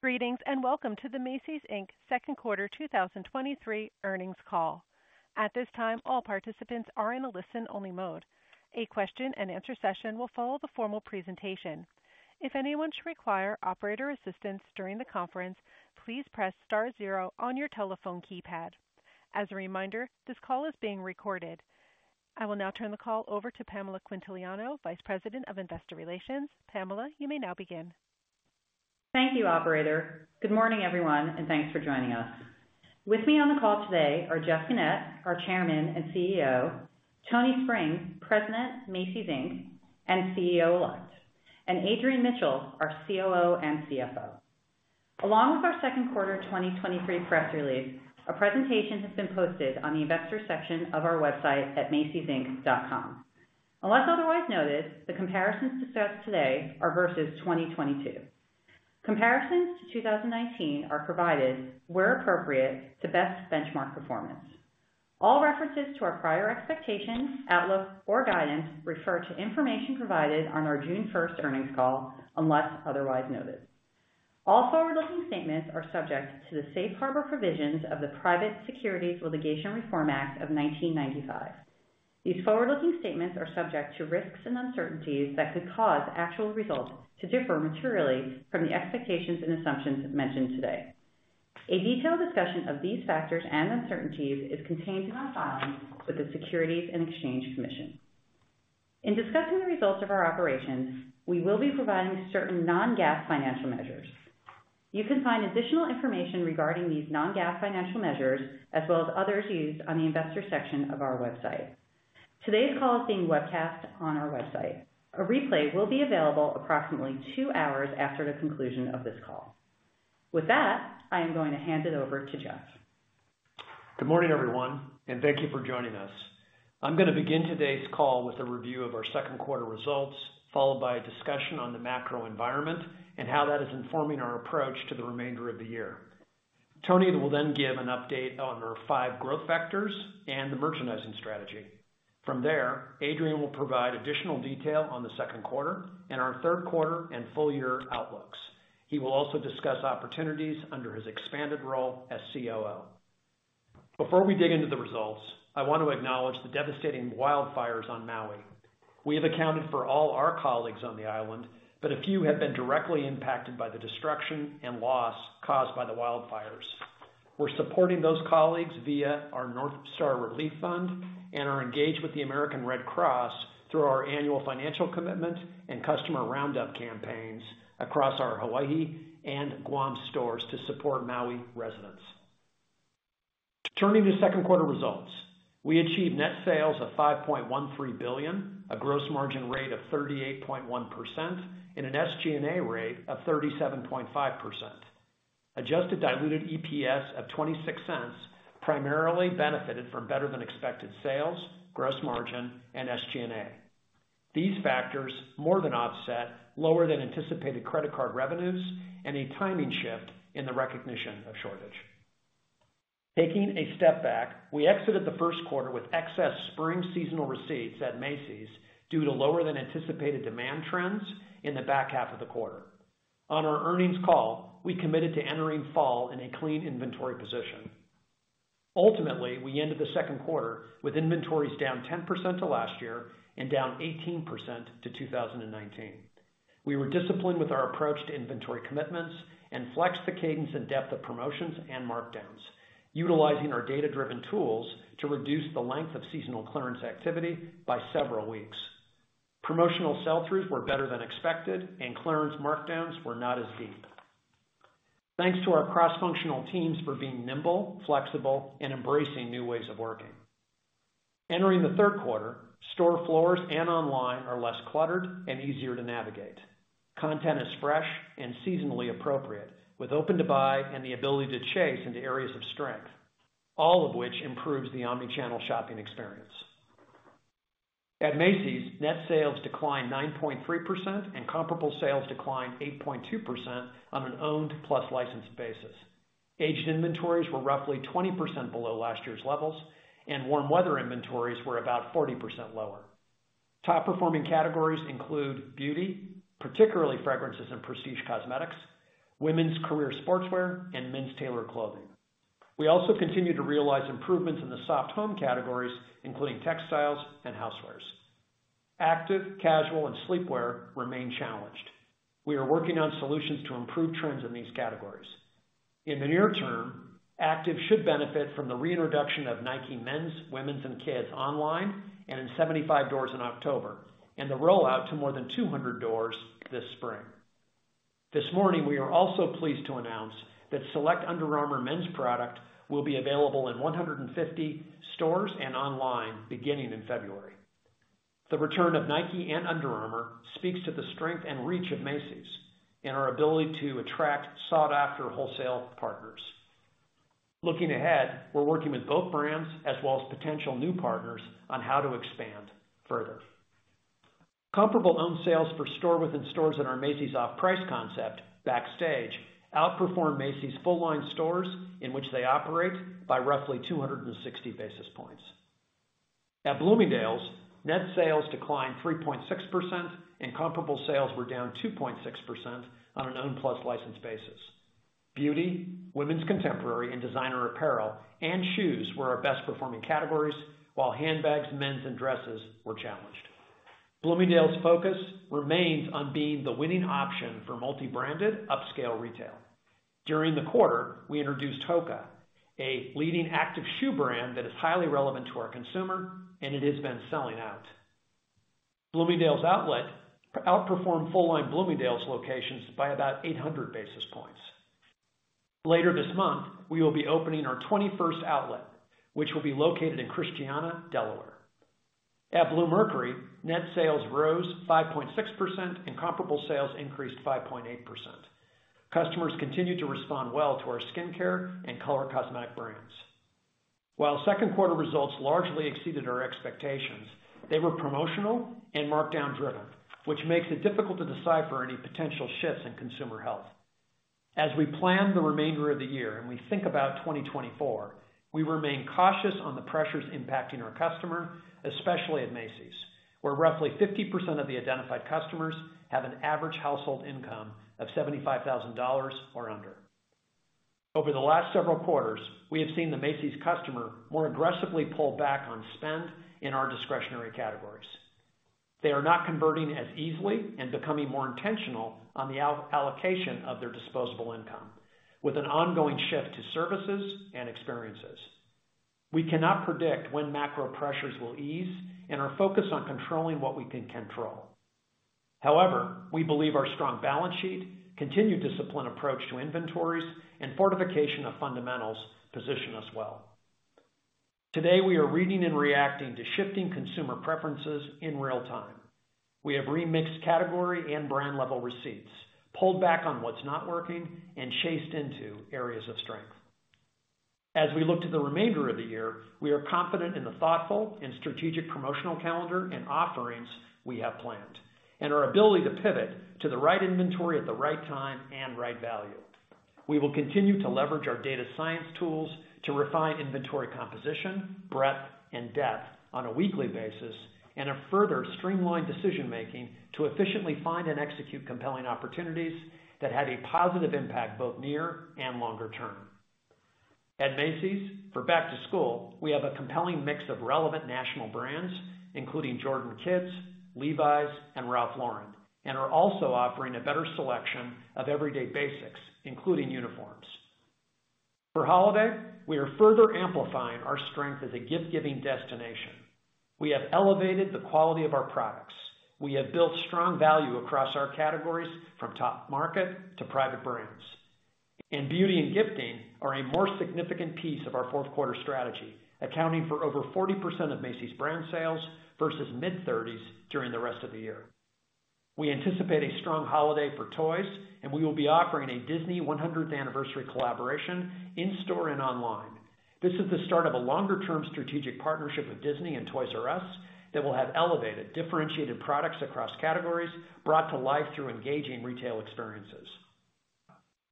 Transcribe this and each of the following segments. Greetings, welcome to the Macy's, Inc. Second Quarter 2023 Earnings Call. At this time, all participants are in a listen-only mode. A question and answer session will follow the formal presentation. If anyone should require operator assistance during the conference, please press star zero on your telephone keypad. As a reminder, this call is being recorded. I will now turn the call over to Pam Quintiliano, Vice President of Investor Relations. Pamela, you may now begin. Thank you, operator. Good morning, everyone, and thanks for joining us. With me on the call today are Jeff Gennette, our Chairman and CEO, Tony Spring, President, Macy's Inc, and CEO-elect, and Adrian Mitchell, our COO and CFO. Along with our second quarter 2023 press release, a presentation has been posted on the investor section of our website at macysinc.com. Unless otherwise noted, the comparisons discussed today are versus 2022. Comparisons to 2019 are provided, where appropriate, to best benchmark performance. All references to our prior expectations, outlook, or guidance refer to information provided on our June first earnings call, unless otherwise noted. All forward-looking statements are subject to the safe harbor provisions of the Private Securities Litigation Reform Act of 1995. These forward-looking statements are subject to risks and uncertainties that could cause actual results to differ materially from the expectations and assumptions mentioned today. A detailed discussion of these factors and uncertainties is contained in our filings with the Securities and Exchange Commission. In discussing the results of our operations, we will be providing certain non-GAAP financial measures. You can find additional information regarding these non-GAAP financial measures, as well as others used on the investor section of our website. Today's call is being webcast on our website. A replay will be available approximately two hours after the conclusion of this call. With that, I am going to hand it over to Jeff. Good morning, everyone, thank you for joining us. I'm going to begin today's call with a review of our second quarter results, followed by a discussion on the macro environment and how that is informing our approach to the remainder of the year. Tony will give an update on our five growth vectors and the merchandising strategy. From there, Adrian will provide additional detail on the second quarter and our third quarter and full year outlooks. He will also discuss opportunities under his expanded role as COO. Before we dig into the results, I want to acknowledge the devastating wildfires on Maui. We have accounted for all our colleagues on the island, a few have been directly impacted by the destruction and loss caused by the wildfires. We're supporting those colleagues via our North Star Relief Fund and are engaged with the American Red Cross through our annual financial commitment and customer roundup campaigns across our Hawaii and Guam stores to support Maui residents. Turning to second quarter results, we achieved net sales of $5.13 billion, a gross margin rate of 38.1%, and an SG&A rate of 37.5%. Adjusted diluted EPS of $0.26, primarily benefited from better than expected sales, gross margin and SG&A. These factors more than offset lower than anticipated credit card revenues and a timing shift in the recognition of shortage. Taking a step back, we exited the first quarter with excess spring seasonal receipts at Macy's due to lower than anticipated demand trends in the back half of the quarter. On our earnings call, we committed to entering fall in a clean inventory position. Ultimately, we ended the second quarter with inventories down 10% to last year and down 18% to 2019. We were disciplined with our approach to inventory commitments and flexed the cadence and depth of promotions and markdowns, utilizing our data-driven tools to reduce the length of seasonal clearance activity by several weeks. Promotional sell-throughs were better than expected and clearance markdowns were not as deep. Thanks to our cross-functional teams for being nimble, flexible, and embracing new ways of working. Entering the third quarter, store floors and online are less cluttered and easier to navigate. Content is fresh and seasonally appropriate, with open to buy and the ability to chase into areas of strength, all of which improves the omnichannel shopping experience. At Macy's, net sales declined 9.3%. Comparable sales declined 8.2% on an owned plus licensed basis. Aged inventories were roughly 20% below last year's levels, and warm weather inventories were about 40% lower. Top performing categories include beauty, particularly fragrances and prestige cosmetics, women's career sportswear, and men's tailored clothing. We also continued to realize improvements in the soft home categories, including textiles and housewares. Active, casual, and sleepwear remain challenged. We are working on solutions to improve trends in these categories. In the near term, active should benefit from the reintroduction of Nike men's, women's, and kids online and in 75 doors in October, and the rollout to more than 200 doors this spring. This morning, we are also pleased to announce that select Under Armour men's product will be available in 150 stores and online beginning in February. The return of Nike and Under Armour speaks to the strength and reach of Macy's and our ability to attract sought-after wholesale partners. Looking ahead, we're working with both brands as well as potential new partners on how to expand further. Comparable owned sales for store within stores in our Macy's off price concept, Backstage, outperformed Macy's full line stores in which they operate by roughly 260 basis points. At Bloomingdale's, net sales declined 3.6%, and comparable sales were down 2.6% on an owned plus licensed basis. Beauty, women's contemporary, and designer apparel and shoes were our best performing categories, while handbags, men's and dresses were challenged. Bloomingdale's focus remains on being the winning option for multi-branded upscale retail. During the quarter, we introduced HOKA, a leading active shoe brand that is highly relevant to our consumer, and it has been selling out. Bloomingdale's Outlet outperformed full-line Bloomingdale's locations by about 800 basis points. Later this month, we will be opening our 21st outlet, which will be located in Christiana, Delaware. At Bluemercury, net sales rose 5.6%, and comparable sales increased 5.8%. Customers continued to respond well to our skincare and color cosmetic brands. While second quarter results largely exceeded our expectations, they were promotional and markdown driven, which makes it difficult to decipher any potential shifts in consumer health. As we plan the remainder of the year and we think about 2024, we remain cautious on the pressures impacting our customer, especially at Macy's, where roughly 50% of the identified customers have an average household income of $75,000 or under. Over the last several quarters, we have seen the Macy's customer more aggressively pull back on spend in our discretionary categories. They are not converting as easily and becoming more intentional on the all- allocation of their disposable income, with an ongoing shift to services and experiences. We cannot predict when macro pressures will ease and are focused on controlling what we can control. However, we believe our strong balance sheet, continued disciplined approach to inventories, and fortification of fundamentals position us well. Today, we are reading and reacting to shifting consumer preferences in real time. We have remixed category and brand-level receipts, pulled back on what's not working, and chased into areas of strength. As we look to the remainder of the year, we are confident in the thoughtful and strategic promotional calendar and offerings we have planned, and our ability to pivot to the right inventory at the right time and right value. We will continue to leverage our data science tools to refine inventory composition, breadth and depth on a weekly basis, and a further streamlined decision-making to efficiently find and execute compelling opportunities that have a positive impact, both near and longer term. At Macy's, for back to school, we have a compelling mix of relevant national brands, including Jordan Kids, Levi's, and Ralph Lauren, and are also offering a better selection of everyday basics, including uniforms. For holiday, we are further amplifying our strength as a gift-giving destination. We have elevated the quality of our products. We have built strong value across our categories, from top market to private brands. Beauty and gifting are a more significant piece of our fourth quarter strategy, accounting for over 40% of Macy's brand sales versus mid-30s during the rest of the year. We anticipate a strong holiday for toys, and we will be offering a Disney 100th anniversary collaboration in store and online. This is the start of a longer-term strategic partnership with Disney and Toys 'R' Us that will have elevated differentiated products across categories, brought to life through engaging retail experiences.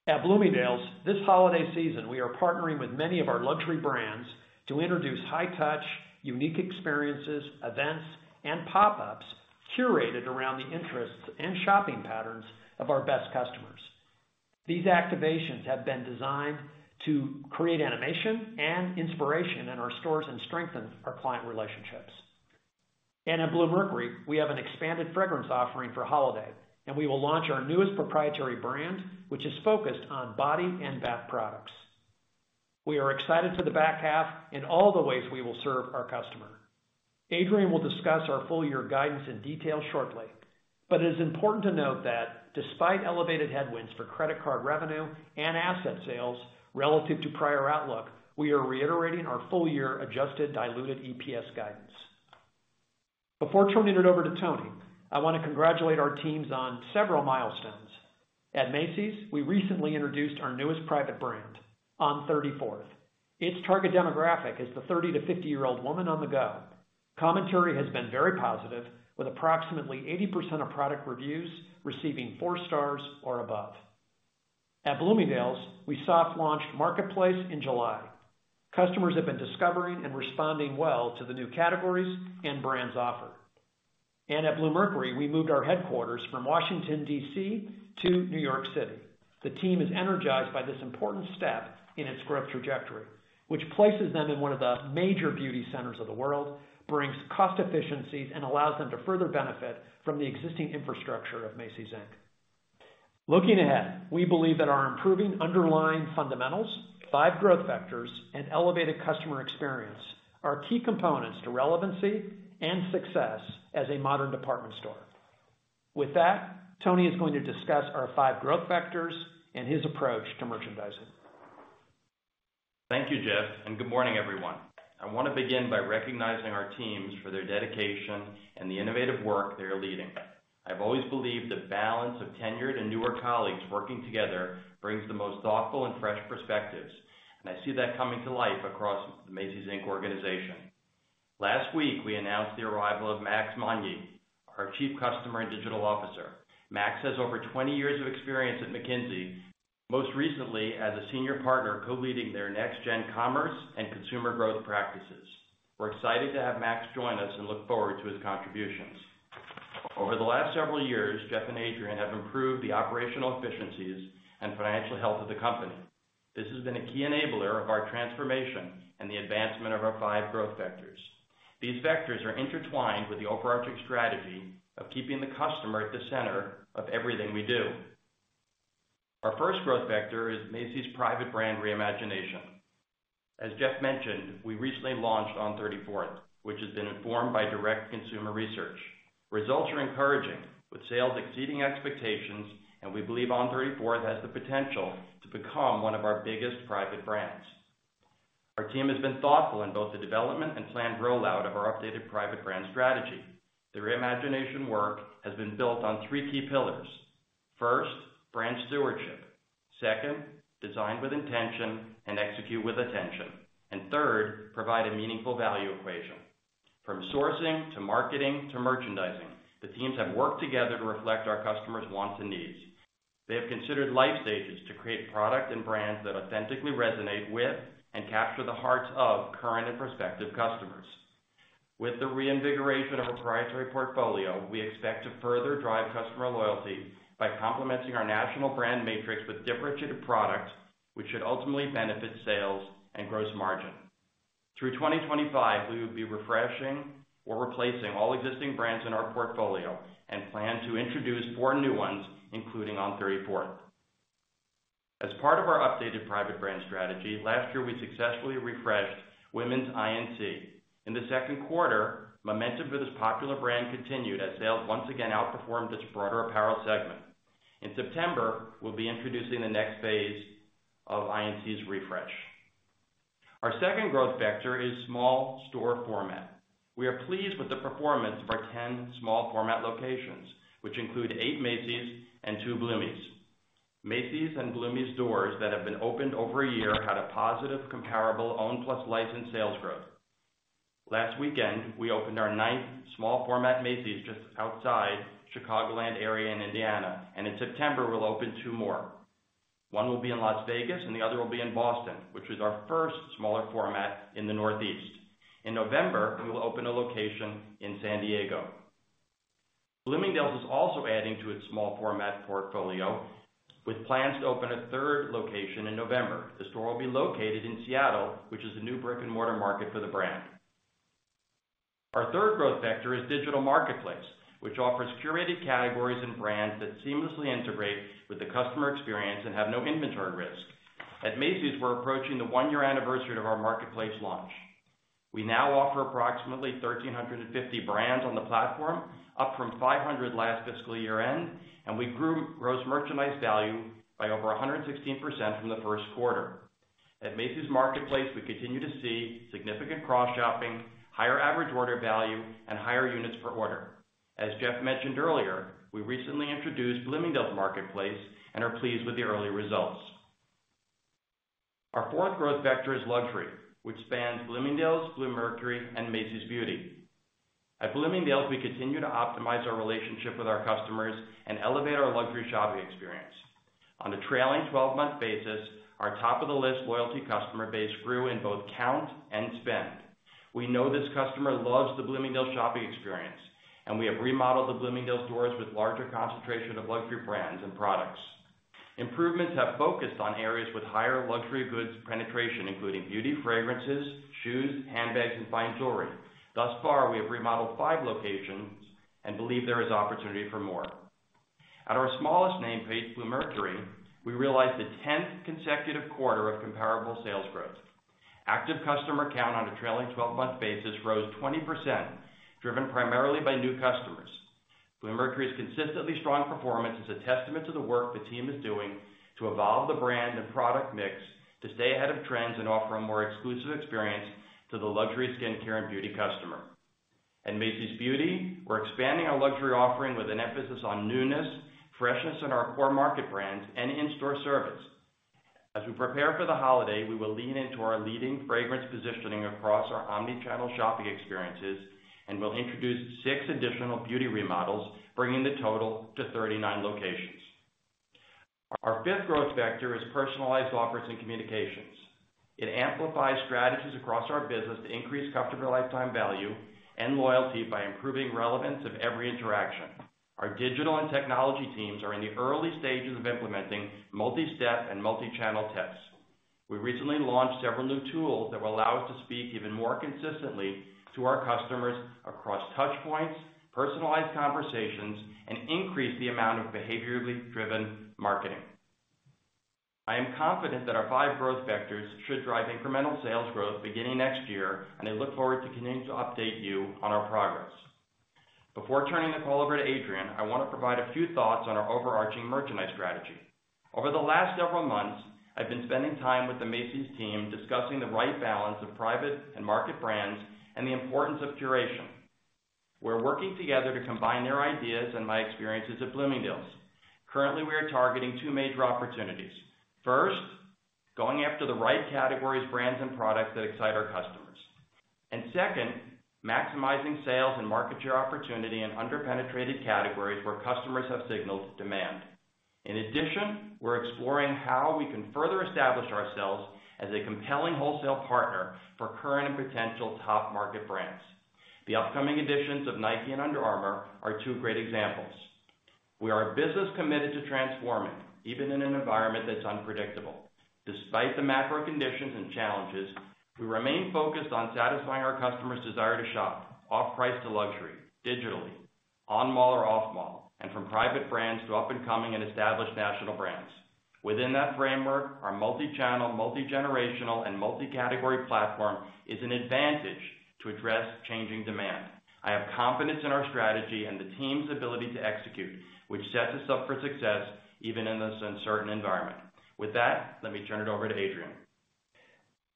At Bloomingdale's, this holiday season, we are partnering with many of our luxury brands to introduce high touch, unique experiences, events, and pop-ups curated around the interests and shopping patterns of our best customers. These activations have been designed to create animation and inspiration in our stores and strengthen our client relationships. At Bluemercury, we have an expanded fragrance offering for holiday, and we will launch our newest proprietary brand, which is focused on body and bath products. We are excited for the back half and all the ways we will serve our customer. Adrian will discuss our full-year guidance in detail shortly, but it is important to note that despite elevated headwinds for credit card revenue and asset sales relative to prior outlook, we are reiterating our full-year adjusted diluted EPS guidance. Before turning it over to Tony, I want to congratulate our teams on several milestones. At Macy's, we recently introduced our newest private brand, On 34th. Its target demographic is the 30-50-year-old woman on the go. Commentary has been very positive, with approximately 80% of product reviews receiving four stars or above. At Bloomingdale's, we soft launched Marketplace in July. Customers have been discovering and responding well to the new categories and brands offered. At Bluemercury, we moved our headquarters from Washington, D.C., to New York City. The team is energized by this important step in its growth trajectory, which places them in one of the major beauty centers of the world, brings cost efficiencies, and allows them to further benefit from the existing infrastructure of Macy's, Inc. Looking ahead, we believe that our improving underlying fundamentals, five growth vectors, and elevated customer experience are key components to relevancy and success as a modern department store. With that, Tony is going to discuss our five growth vectors and his approach to merchandising. Thank you, Jeff, and good morning, everyone. I want to begin by recognizing our teams for their dedication and the innovative work they are leading. I've always believed that balance of tenured and newer colleagues working together brings the most thoughtful and fresh perspectives, and I see that coming to life across the Macy's, Inc. organization. Last week, we announced the arrival of Massimo Magni... our Chief Customer and Digital Officer. Max has over 20 years of experience at McKinsey, most recently as a senior partner, co-leading their next-gen commerce and consumer growth practices. We're excited to have Max join us and look forward to his contributions. Over the last several years, Jeff and Adrian have improved the operational efficiencies and financial health of the company. This has been a key enabler of our transformation and the advancement of our five growth vectors. These vectors are intertwined with the overarching strategy of keeping the customer at the center of everything we do. Our first growth vector is Macy's private brand reimagination. As Jeff mentioned, we recently launched On 34th, which has been informed by direct consumer research. Results are encouraging, with sales exceeding expectations, and we believe On 34th has the potential to become one of our biggest private brands. Our team has been thoughtful in both the development and planned rollout of our updated private brand strategy. The reimagination work has been built on three key pillars. First, brand stewardship. Second, design with intention and execute with attention. Third, provide a meaningful value equation. From sourcing, to marketing, to merchandising, the teams have worked together to reflect our customers' wants and needs. They have considered life stages to create product and brands that authentically resonate with and capture the hearts of current and prospective customers. With the reinvigoration of our proprietary portfolio, we expect to further drive customer loyalty by complementing our national brand matrix with differentiated product, which should ultimately benefit sales and gross margin. Through 2025, we will be refreshing or replacing all existing brands in our portfolio and plan to introduce four new ones, including On 34th. As part of our updated private brand strategy, last year, we successfully refreshed women's INC In the second quarter, momentum for this popular brand continued as sales once again outperformed its broader apparel segment. In September, we'll be introducing the next phase of INC's refresh. Our second growth vector is small store format. We are pleased with the performance of our 10 small format locations, which include eight Macy's and two Bloomie's. Macy's and Bloomie's stores that have been opened over a year had a positive, comparable, owned plus licensed sales growth. Last weekend, we opened our ninth small format, Macy's, just outside Chicagoland area in Indiana. In September, we'll open two more. One will be in Las Vegas and the other will be in Boston, which is our first smaller format in the Northeast. In November, we will open a location in San Diego. Bloomingdale's is also adding to its small format portfolio, with plans to open a third location in November. The store will be located in Seattle, which is a new brick-and-mortar market for the brand. Our third growth vector is digital marketplace, which offers curated categories and brands that seamlessly integrate with the customer experience and have no inventory risk. At Macy's, we're approaching the 1-year anniversary of our marketplace launch. We now offer approximately 1,350 brands on the platform, up from 500 last fiscal year end, and we grew gross merchandise value by over 116% from the first quarter. At Macy's Marketplace, we continue to see significant cross-shopping, higher average order value, and higher units per order. As Jeff mentioned earlier, we recently introduced Bloomingdale's Marketplace and are pleased with the early results. Our fourth growth vector is luxury, which spans Bloomingdale's, Bluemercury, and Macy's Beauty. At Bloomingdale's, we continue to optimize our relationship with our customers and elevate our luxury shopping experience. On a trailing 12-month basis, our Top of the List loyalty customer base grew in both count and spend. We know this customer loves the Bloomingdale's shopping experience. We have remodeled the Bloomingdale's stores with larger concentration of luxury brands and products. Improvements have focused on areas with higher luxury goods penetration, including beauty, fragrances, shoes, handbags, and fine jewelry. Thus far, we have remodeled 5 locations and believe there is opportunity for more. At our smallest name, Bluemercury, we realized the 10th consecutive quarter of comparable sales growth. Active customer count on a trailing 12-month basis rose 20%, driven primarily by new customers. Bluemercury's consistently strong performance is a testament to the work the team is doing to evolve the brand and product mix, to stay ahead of trends and offer a more exclusive experience to the luxury skincare and beauty customer. At Macy's Beauty, we're expanding our luxury offering with an emphasis on newness, freshness in our core market brands, and in-store service. As we prepare for the holiday, we will lean into our leading fragrance positioning across our omni-channel shopping experiences, and we'll introduce six additional beauty remodels, bringing the total to 39 locations. Our fifth growth vector is personalized offers and communications. It amplifies strategies across our business to increase customer lifetime value and loyalty by improving relevance of every interaction. Our digital and technology teams are in the early stages of implementing multi-step and multi-channel tests. We recently launched several new tools that will allow us to speak even more consistently to our customers across touch points, personalized conversations, and increase the amount of behaviorally driven marketing. I am confident that our five growth vectors should drive incremental sales growth beginning next year, and I look forward to continuing to update you on our progress. Before turning the call over to Adrian, I want to provide a few thoughts on our overarching merchandise strategy. Over the last several months, I've been spending time with the Macy's team, discussing the right balance of private and market brands and the importance of curation. We're working together to combine their ideas and my experiences at Bloomingdale's. Currently, we are targeting two major opportunities. First, going after the right categories, brands, and products that excite our customers. Second, maximizing sales and market share opportunity in under-penetrated categories where customers have signaled demand. In addition, we're exploring how we can further establish ourselves as a compelling wholesale partner for current and potential top market brands. The upcoming additions of Nike and Under Armour are two great examples. We are a business committed to transforming, even in an environment that's unpredictable. Despite the macro conditions and challenges, we remain focused on satisfying our customers' desire to shop, off-price to luxury, digitally, on-mall or off-mall, and from private brands to up-and-coming and established national brands. Within that framework, our multi-channel, multi-generational, and multi-category platform is an advantage to address changing demand. I have confidence in our strategy and the team's ability to execute, which sets us up for success, even in this uncertain environment. With that, let me turn it over to Adrian.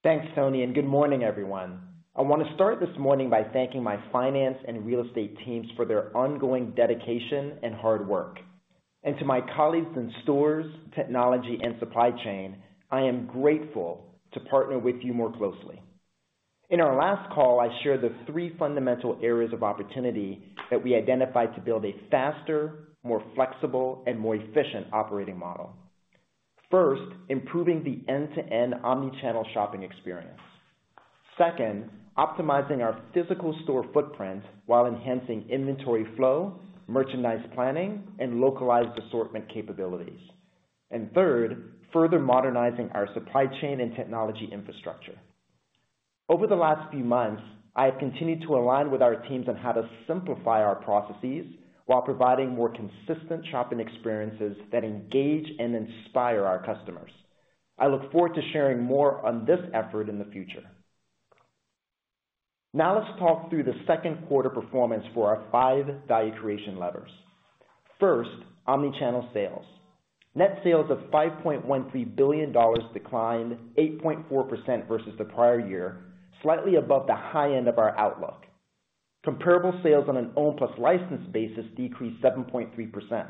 Thanks, Tony. Good morning, everyone. I want to start this morning by thanking my finance and real estate teams for their ongoing dedication and hard work. To my colleagues in stores, technology, and supply chain, I am grateful to partner with you more closely. In our last call, I shared the 3 fundamental areas of opportunity that we identified to build a faster, more flexible, and more efficient operating model. First, improving the end-to-end omnichannel shopping experience. Second, optimizing our physical store footprint while enhancing inventory flow, merchandise planning, and localized assortment capabilities. Third, further modernizing our supply chain and technology infrastructure. Over the last few months, I have continued to align with our teams on how to simplify our processes while providing more consistent shopping experiences that engage and inspire our customers. I look forward to sharing more on this effort in the future. Now let's talk through the second quarter performance for our five value creation levers. First, omnichannel sales. Net sales of $5.13 billion declined 8.4% versus the prior year, slightly above the high end of our outlook. Comparable sales on an owned plus licensed basis decreased 7.3%.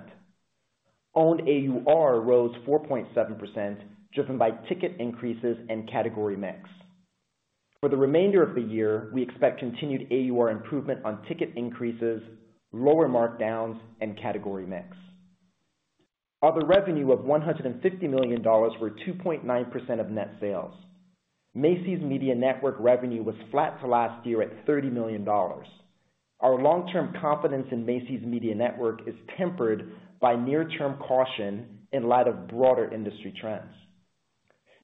Owned AUR rose 4.7%, driven by ticket increases and category mix. For the remainder of the year, we expect continued AUR improvement on ticket increases, lower markdowns, and category mix. Other revenue of $150 million were 2.9% of net sales. Macy's Media Network revenue was flat to last year at $30 million. Our long-term confidence in Macy's Media Network is tempered by near-term caution in light of broader industry trends.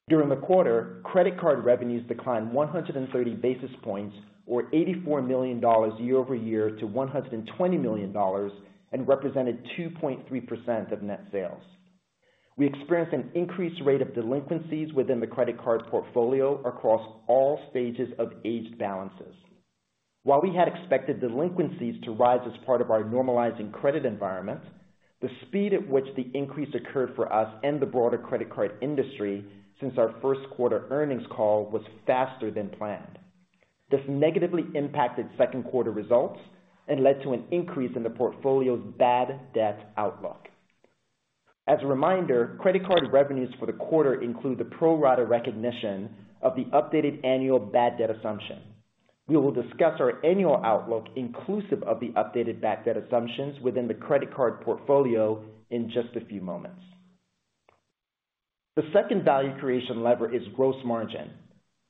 During the quarter, credit card revenues declined 130 basis points, or $84 million year-over-year to $120 million, and represented 2.3% of net sales. We experienced an increased rate of delinquencies within the credit card portfolio across all stages of aged balances. While we had expected delinquencies to rise as part of our normalizing credit environment, the speed at which the increase occurred for us and the broader credit card industry since our first quarter earnings call was faster than planned. This negatively impacted second quarter results and led to an increase in the portfolio's bad debt outlook. As a reminder, credit card revenues for the quarter include the pro rata recognition of the updated annual bad debt assumption. We will discuss our annual outlook, inclusive of the updated bad debt assumptions within the credit card portfolio in just a few moments. The second value creation lever is gross margin.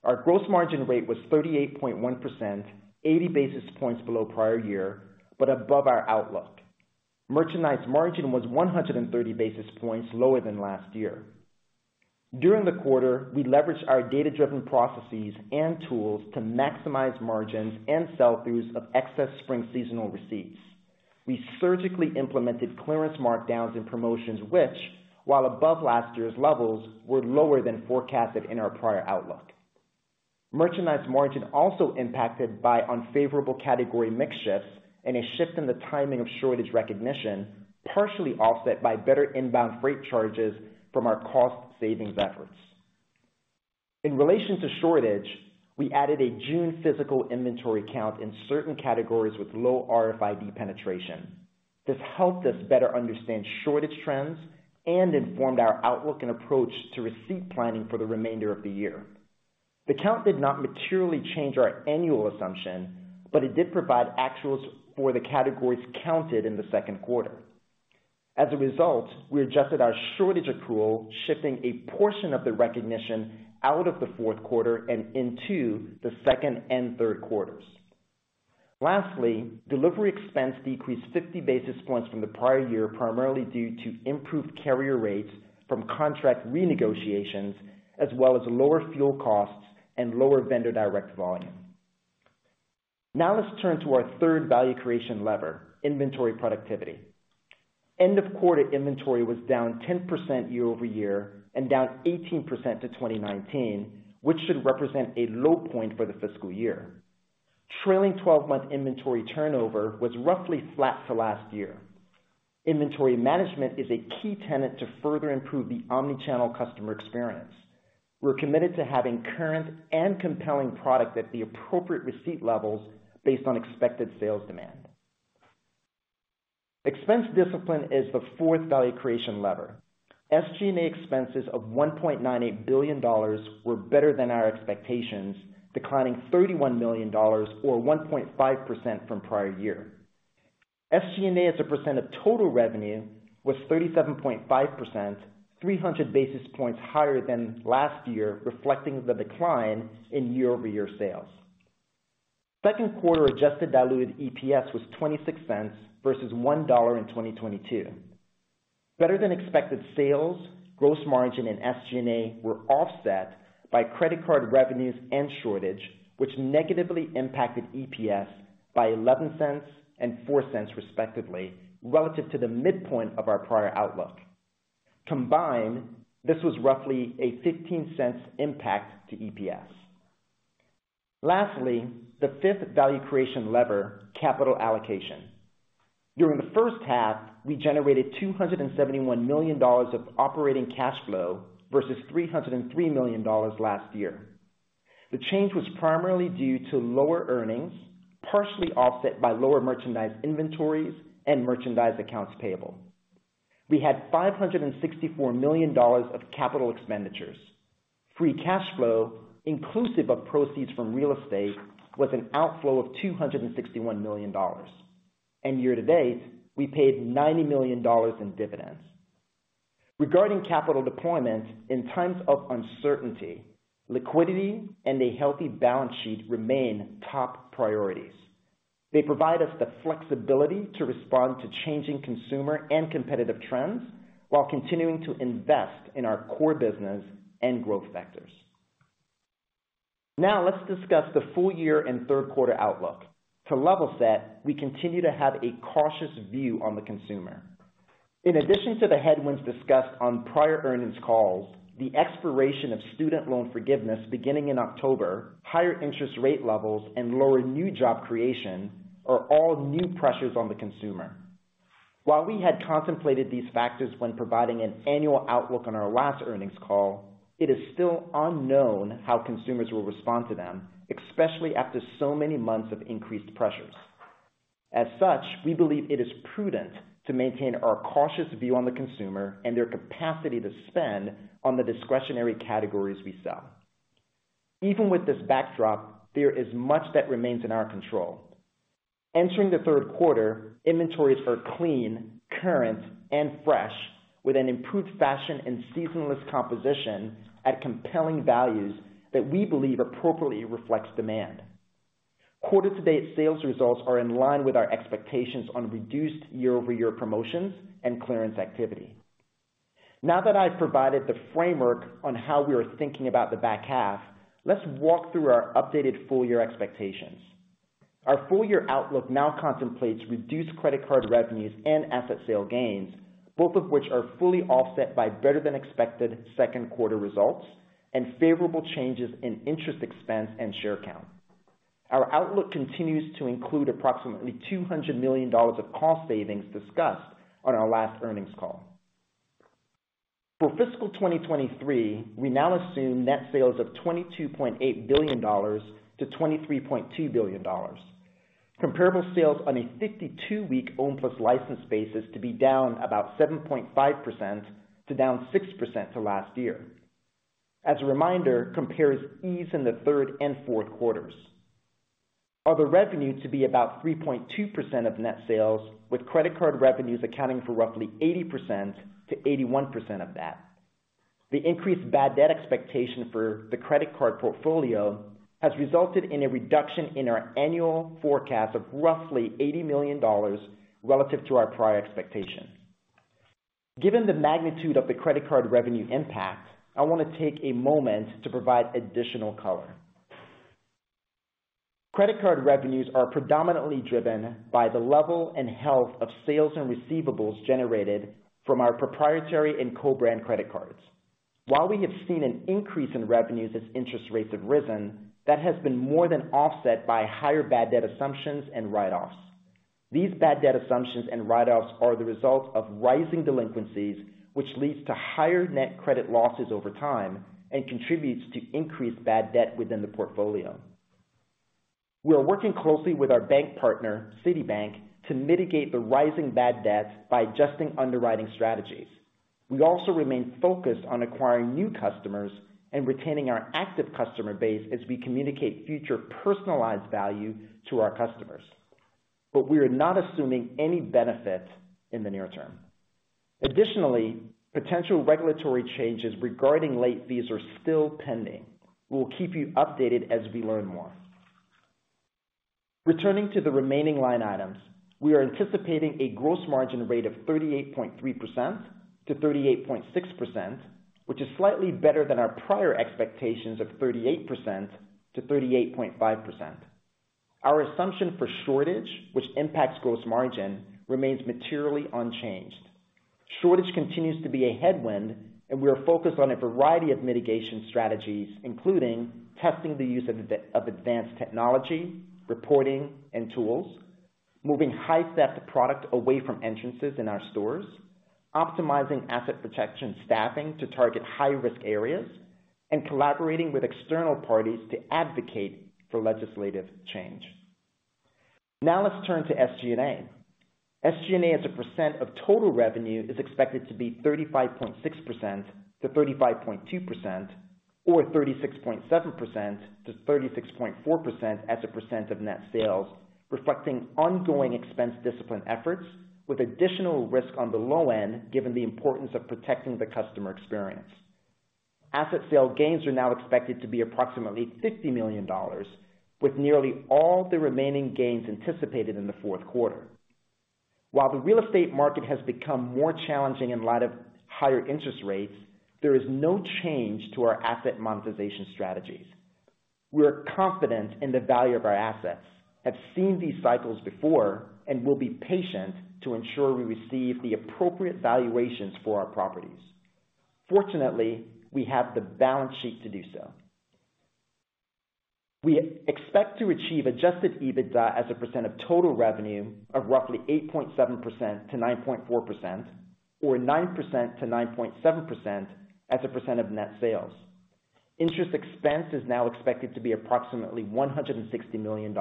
Our gross margin rate was 38.1%, 80 basis points below prior year, but above our outlook. Merchandise margin was 130 basis points lower than last year. During the quarter, we leveraged our data-driven processes and tools to maximize margins and sell-throughs of excess spring seasonal receipts. We surgically implemented clearance markdowns and promotions, which, while above last year's levels, were lower than forecasted in our prior outlook. Merchandise margin also impacted by unfavorable category mix shifts and a shift in the timing of shortage recognition, partially offset by better inbound freight charges from our cost savings efforts. In relation to shortage, we added a June physical inventory count in certain categories with low RFID penetration. This helped us better understand shortage trends and informed our outlook and approach to receipt planning for the remainder of the year. The count did not materially change our annual assumption, but it did provide actuals for the categories counted in the second quarter. As a result, we adjusted our shortage accrual, shifting a portion of the recognition out of the fourth quarter and into the second and third quarters. Lastly, delivery expense decreased 50 basis points from the prior year, primarily due to improved carrier rates from contract renegotiations, as well as lower fuel costs and lower vendor direct volume. Let's turn to our third value creation lever, inventory productivity. End of quarter inventory was down 10% year-over-year and down 18% to 2019, which should represent a low point for the fiscal year. Trailing twelve-month inventory turnover was roughly flat to last year. Inventory management is a key tenet to further improve the omnichannel customer experience. We're committed to having current and compelling product at the appropriate receipt levels based on expected sales demand.... Expense discipline is the fourth value creation lever. SG&A expenses of $1.98 billion were better than our expectations, declining $31 million or 1.5% from prior year. SG&A, as a percent of total revenue, was 37.5%, 300 basis points higher than last year, reflecting the decline in year-over-year sales. Second quarter adjusted diluted EPS was $0.26 versus $1 in 2022. Better than expected sales, gross margin and SG&A were offset by credit card revenues and shortage, which negatively impacted EPS by $0.11 and $0.04 respectively, relative to the midpoint of our prior outlook. Combined, this was roughly a $0.15 impact to EPS. Lastly, the fifth value creation lever, capital allocation. During the first half, we generated $271 million of operating cash flow versus $303 million last year. The change was primarily due to lower earnings, partially offset by lower merchandise inventories and merchandise accounts payable. We had $564 million of capital expenditures. Free cash flow, inclusive of proceeds from real estate, was an outflow of $261 million. Year-to-date, we paid $90 million in dividends. Regarding capital deployment, in times of uncertainty, liquidity and a healthy balance sheet remain top priorities. They provide us the flexibility to respond to changing consumer and competitive trends, while continuing to invest in our core business and growth vectors. Let's discuss the full year and third quarter outlook. To level set, we continue to have a cautious view on the consumer. In addition to the headwinds discussed on prior earnings calls, the expiration of student loan forgiveness beginning in October, higher interest rate levels and lower new job creation are all new pressures on the consumer. We had contemplated these factors when providing an annual outlook on our last earnings call, it is still unknown how consumers will respond to them, especially after so many months of increased pressures. As such, we believe it is prudent to maintain our cautious view on the consumer and their capacity to spend on the discretionary categories we sell. Even with this backdrop, there is much that remains in our control. Entering the third quarter, inventories are clean, current, and fresh, with an improved fashion and seasonless composition at compelling values that we believe appropriately reflects demand. Quarter to date sales results are in line with our expectations on reduced year-over-year promotions and clearance activity. That I've provided the framework on how we are thinking about the back half, let's walk through our updated full year expectations. Our full year outlook now contemplates reduced credit card revenues and asset sale gains, both of which are fully offset by better than expected second quarter results and favorable changes in interest expense and share count. Our outlook continues to include approximately $200 million of cost savings discussed on our last earnings call. For fiscal 2023, we now assume net sales of $22.8 billion-$23.2 billion. Comparable sales on a 52-week owned plus licensed basis to be down about 7.5% to -6% to last year. As a reminder, compares ease in the third and fourth quarters. Other revenue to be about 3.2% of net sales, with credit card revenues accounting for roughly 80%-81% of that. The increased bad debt expectation for the credit card portfolio has resulted in a reduction in our annual forecast of roughly $80 million relative to our prior expectation. Given the magnitude of the credit card revenue impact, I wanna take a moment to provide additional color. Credit card revenues are predominantly driven by the level and health of sales and receivables generated from our proprietary and co-brand credit cards. While we have seen an increase in revenues as interest rates have risen, that has been more than offset by higher bad debt assumptions and write-offs. These bad debt assumptions and write-offs are the result of rising delinquencies, which leads to higher net credit losses over time and contributes to increased bad debt within the portfolio. We are working closely with our bank partner, Citibank, to mitigate the rising bad debts by adjusting underwriting strategies. We also remain focused on acquiring new customers and retaining our active customer base as we communicate future personalized value to our customers, but we are not assuming any benefit in the near term. Additionally, potential regulatory changes regarding late fees are still pending. We'll keep you updated as we learn more. Returning to the remaining line items, we are anticipating a gross margin rate of 38.3%-38.6%, which is slightly better than our prior expectations of 38%-38.5%. Our assumption for shortage, which impacts gross margin, remains materially unchanged. Shortage continues to be a headwind, and we are focused on a variety of mitigation strategies, including testing the use of advanced technology, reporting and tools, moving high-theft product away from entrances in our stores, optimizing asset protection staffing to target high-risk areas, and collaborating with external parties to advocate for legislative change. Let's turn to SG&A. SG&A, as a percent of total revenue, is expected to be 35.6%-35.2%, or 36.7%-36.4% as a percent of net sales, reflecting ongoing expense discipline efforts with additional risk on the low end, given the importance of protecting the customer experience. Asset sale gains are now expected to be approximately $50 million, with nearly all the remaining gains anticipated in the fourth quarter. While the real estate market has become more challenging in light of higher interest rates, there is no change to our asset monetization strategies. We are confident in the value of our assets, have seen these cycles before, and will be patient to ensure we receive the appropriate valuations for our properties. Fortunately, we have the balance sheet to do so. We expect to achieve adjusted EBITDA as a percent of total revenue of roughly 8.7%-9.4% or 9%-9.7% as a percent of net sales. Interest expense is now expected to be approximately $160 million.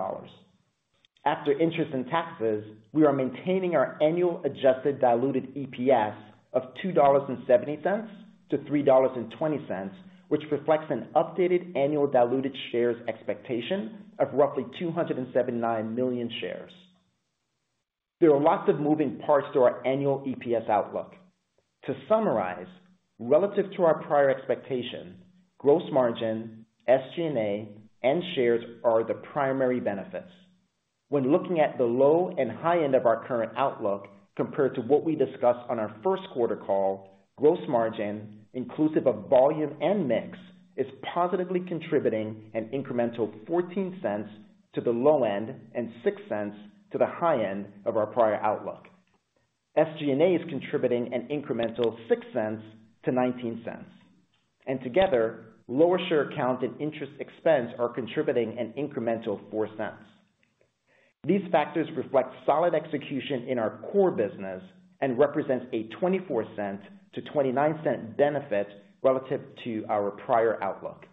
After interest and taxes, we are maintaining our annual adjusted diluted EPS of $2.70-$3.20, which reflects an updated annual diluted shares expectation of roughly 279 million shares. There are lots of moving parts to our annual EPS outlook. To summarize, relative to our prior expectation, gross margin, SG&A, and shares are the primary benefits. When looking at the low and high end of our current outlook compared to what we discussed on our first quarter call, gross margin, inclusive of volume and mix, is positively contributing an incremental $0.14 to the low end and $0.06 to the high end of our prior outlook. SG&A is contributing an incremental $0.06 to $0.19. Together, lower share count and interest expense are contributing an incremental $0.04. These factors reflect solid execution in our core business and represents a $0.24-$0.29 benefit relative to our prior outlook.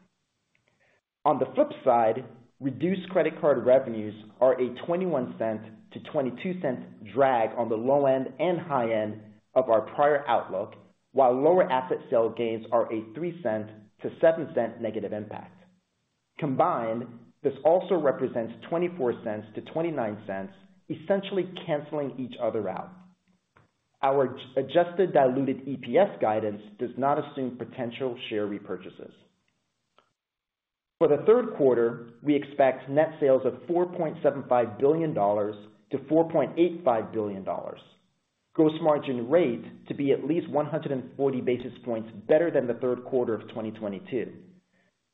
On the flip side, reduced credit card revenues are a $0.21-$0.22 drag on the low end and high end of our prior outlook, while lower asset sale gains are a $0.03-$0.07 negative impact. Combined, this also represents $0.24-$0.29, essentially canceling each other out. Our adjusted diluted EPS guidance does not assume potential share repurchases. For the third quarter, we expect net sales of $4.75 billion-$4.85 billion. Gross margin rate to be at least 140 basis points better than the third quarter of 2022.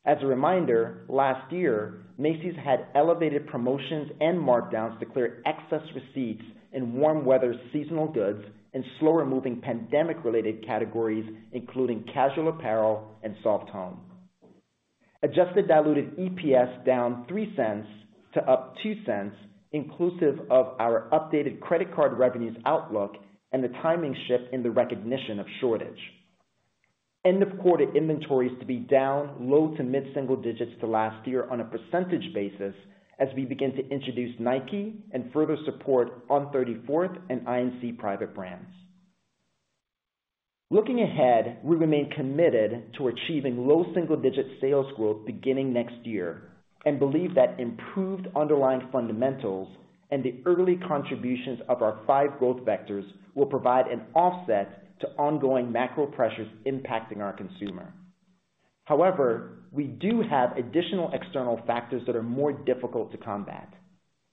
As a reminder, last year, Macy's had elevated promotions and markdowns to clear excess receipts in warm weather seasonal goods and slower-moving pandemic-related categories, including casual apparel and soft home. Adjusted diluted EPS -$0.03 to +$0.02, inclusive of our updated credit card revenues outlook and the timing shift in the recognition of shortage. End of quarter inventories to be down low to mid-single digits to last year on a percentage basis as we begin to introduce Nike and further support On 34th and I.N.C. private brands. Looking ahead, we remain committed to achieving low single-digit sales growth beginning next year, and believe that improved underlying fundamentals and the early contributions of our five growth vectors will provide an offset to ongoing macro pressures impacting our consumer. However, we do have additional external factors that are more difficult to combat.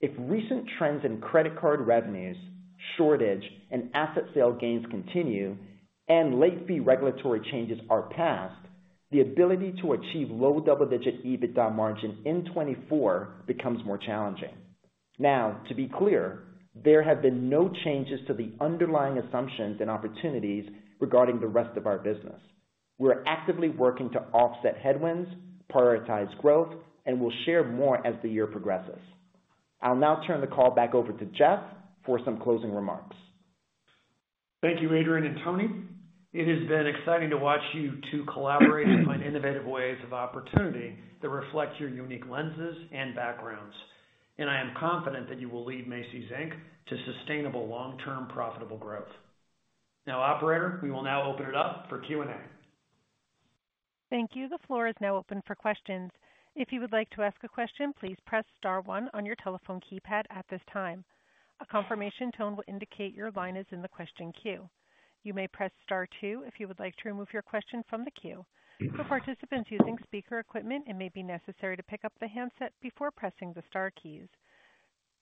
If recent trends in credit card revenues, shortage, and asset sale gains continue and late fee regulatory changes are passed, the ability to achieve low double-digit EBITDA margin in 2024 becomes more challenging. Now, to be clear, there have been no changes to the underlying assumptions and opportunities regarding the rest of our business. We're actively working to offset headwinds, prioritize growth, and we'll share more as the year progresses. I'll now turn the call back over to Jeff for some closing remarks. Thank you, Adrian and Tony. It has been exciting to watch you two collaborate on innovative ways of opportunity that reflect your unique lenses and backgrounds, and I am confident that you will lead Macy's, Inc. to sustainable, long-term, profitable growth. Now, operator, we will now open it up for Q&A. Thank you. The floor is now open for questions. If you would like to ask a question, please press star one on your telephone keypad at this time. A confirmation tone will indicate your line is in the question queue. You may press star two if you would like to remove your question from the queue. For participants using speaker equipment, it may be necessary to pick up the handset before pressing the star keys.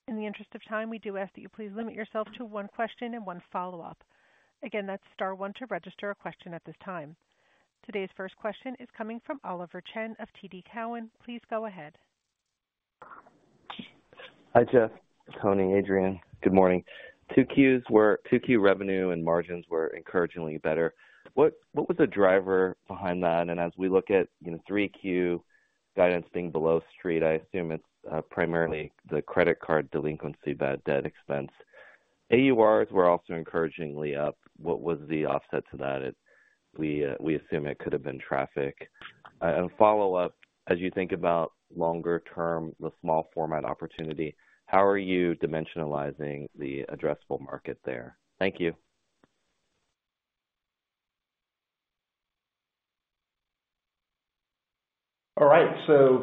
In the interest of time, we do ask that you please limit yourself to one question and one follow-up. Again, that's star one to register a question at this time. Today's first question is coming from Oliver Chen of TD Cowen. Please go ahead. Hi, Jeff, Tony, Adrian. Good morning. Q2 revenue and margins were encouragingly better. What was the driver behind that? As we look at, you know, 3Q guidance being below street, I assume it's primarily the credit card delinquency, bad debt expense. AURs were also encouragingly up. What was the offset to that? If we assume it could have been traffic. Follow up, as you think about longer term, the small format opportunity, how are you dimensionalizing the addressable market there? Thank you. All right.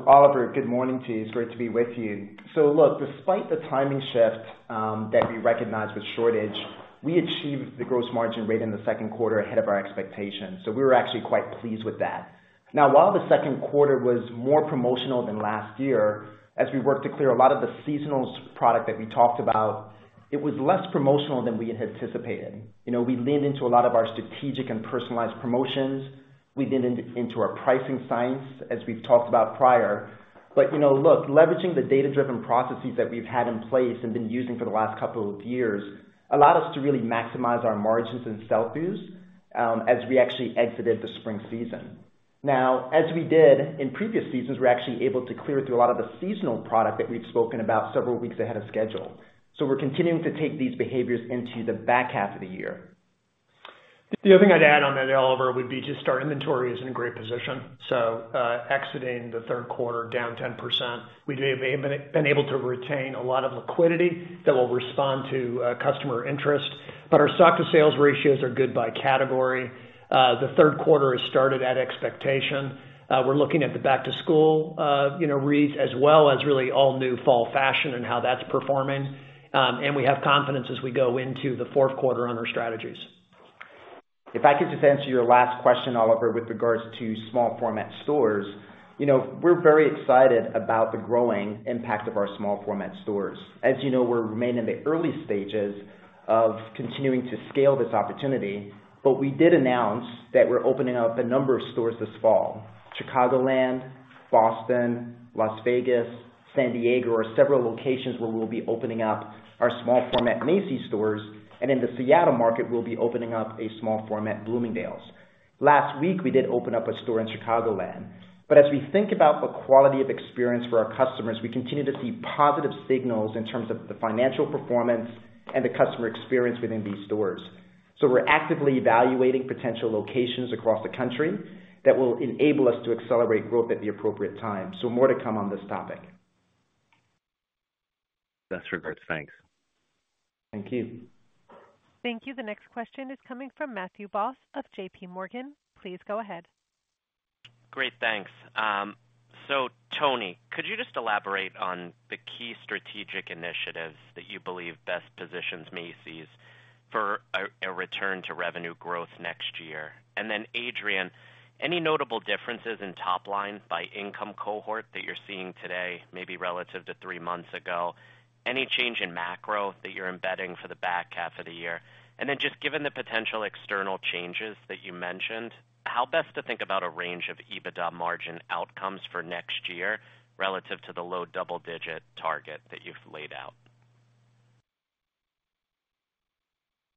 Oliver, good morning to you. It's great to be with you. Look, despite the timing shift, that we recognized with shortage, we achieved the gross margin rate in the second quarter ahead of our expectations, so we were actually quite pleased with that. Now, while the second quarter was more promotional than last year, as we worked to clear a lot of the seasonal product that we talked about, it was less promotional than we had anticipated. You know, we leaned into a lot of our strategic and personalized promotions. We leaned into, into our pricing science, as we've talked about prior. You know, look, leveraging the data-driven processes that we've had in place and been using for the last couple of years, allowed us to really maximize our margins and sell-throughs, as we actually exited the spring season. Now, as we did in previous seasons, we're actually able to clear through a lot of the seasonal product that we've spoken about several weeks ahead of schedule. We're continuing to take these behaviors into the back half of the year. The other thing I'd add on that, Oliver, would be just our inventory is in a great position. Exiting the third quarter down 10%, we have been able to retain a lot of liquidity that will respond to customer interest, but our stock to sales ratios are good by category. The third quarter has started at expectation. We're looking at the back to school, you know, reads, as well as really all new fall fashion and how that's performing. We have confidence as we go into the fourth quarter on our strategies. If I could just answer your last question, Oliver, with regards to small format stores. You know, we're very excited about the growing impact of our small format stores. As you know, we remain in the early stages of continuing to scale this opportunity, but we did announce that we're opening up a number of stores this fall. Chicagoland, Boston, Las Vegas, San Diego, are several locations where we'll be opening up our small format Macy's stores, and in the Seattle market, we'll be opening up a small format Bloomingdale's. Last week, we did open up a store in Chicagoland. As we think about the quality of experience for our customers, we continue to see positive signals in terms of the financial performance and the customer experience within these stores. We're actively evaluating potential locations across the country that will enable us to accelerate growth at the appropriate time. More to come on this topic. Best regards. Thanks. Thank you. Thank you. The next question is coming from Matthew Boss of JP Morgan. Please go ahead. Great, thanks. Tony Spring, could you just elaborate on the key strategic initiatives that you believe best positions Macy's for a, a return to revenue growth next year? Adrian Mitchell, any notable differences in top line by income cohort that you're seeing today, maybe relative to three months ago? Any change in macro that you're embedding for the back half of the year? Just given the potential external changes that you mentioned, how best to think about a range of EBITDA margin outcomes for next year relative to the low double-digit target that you've laid out?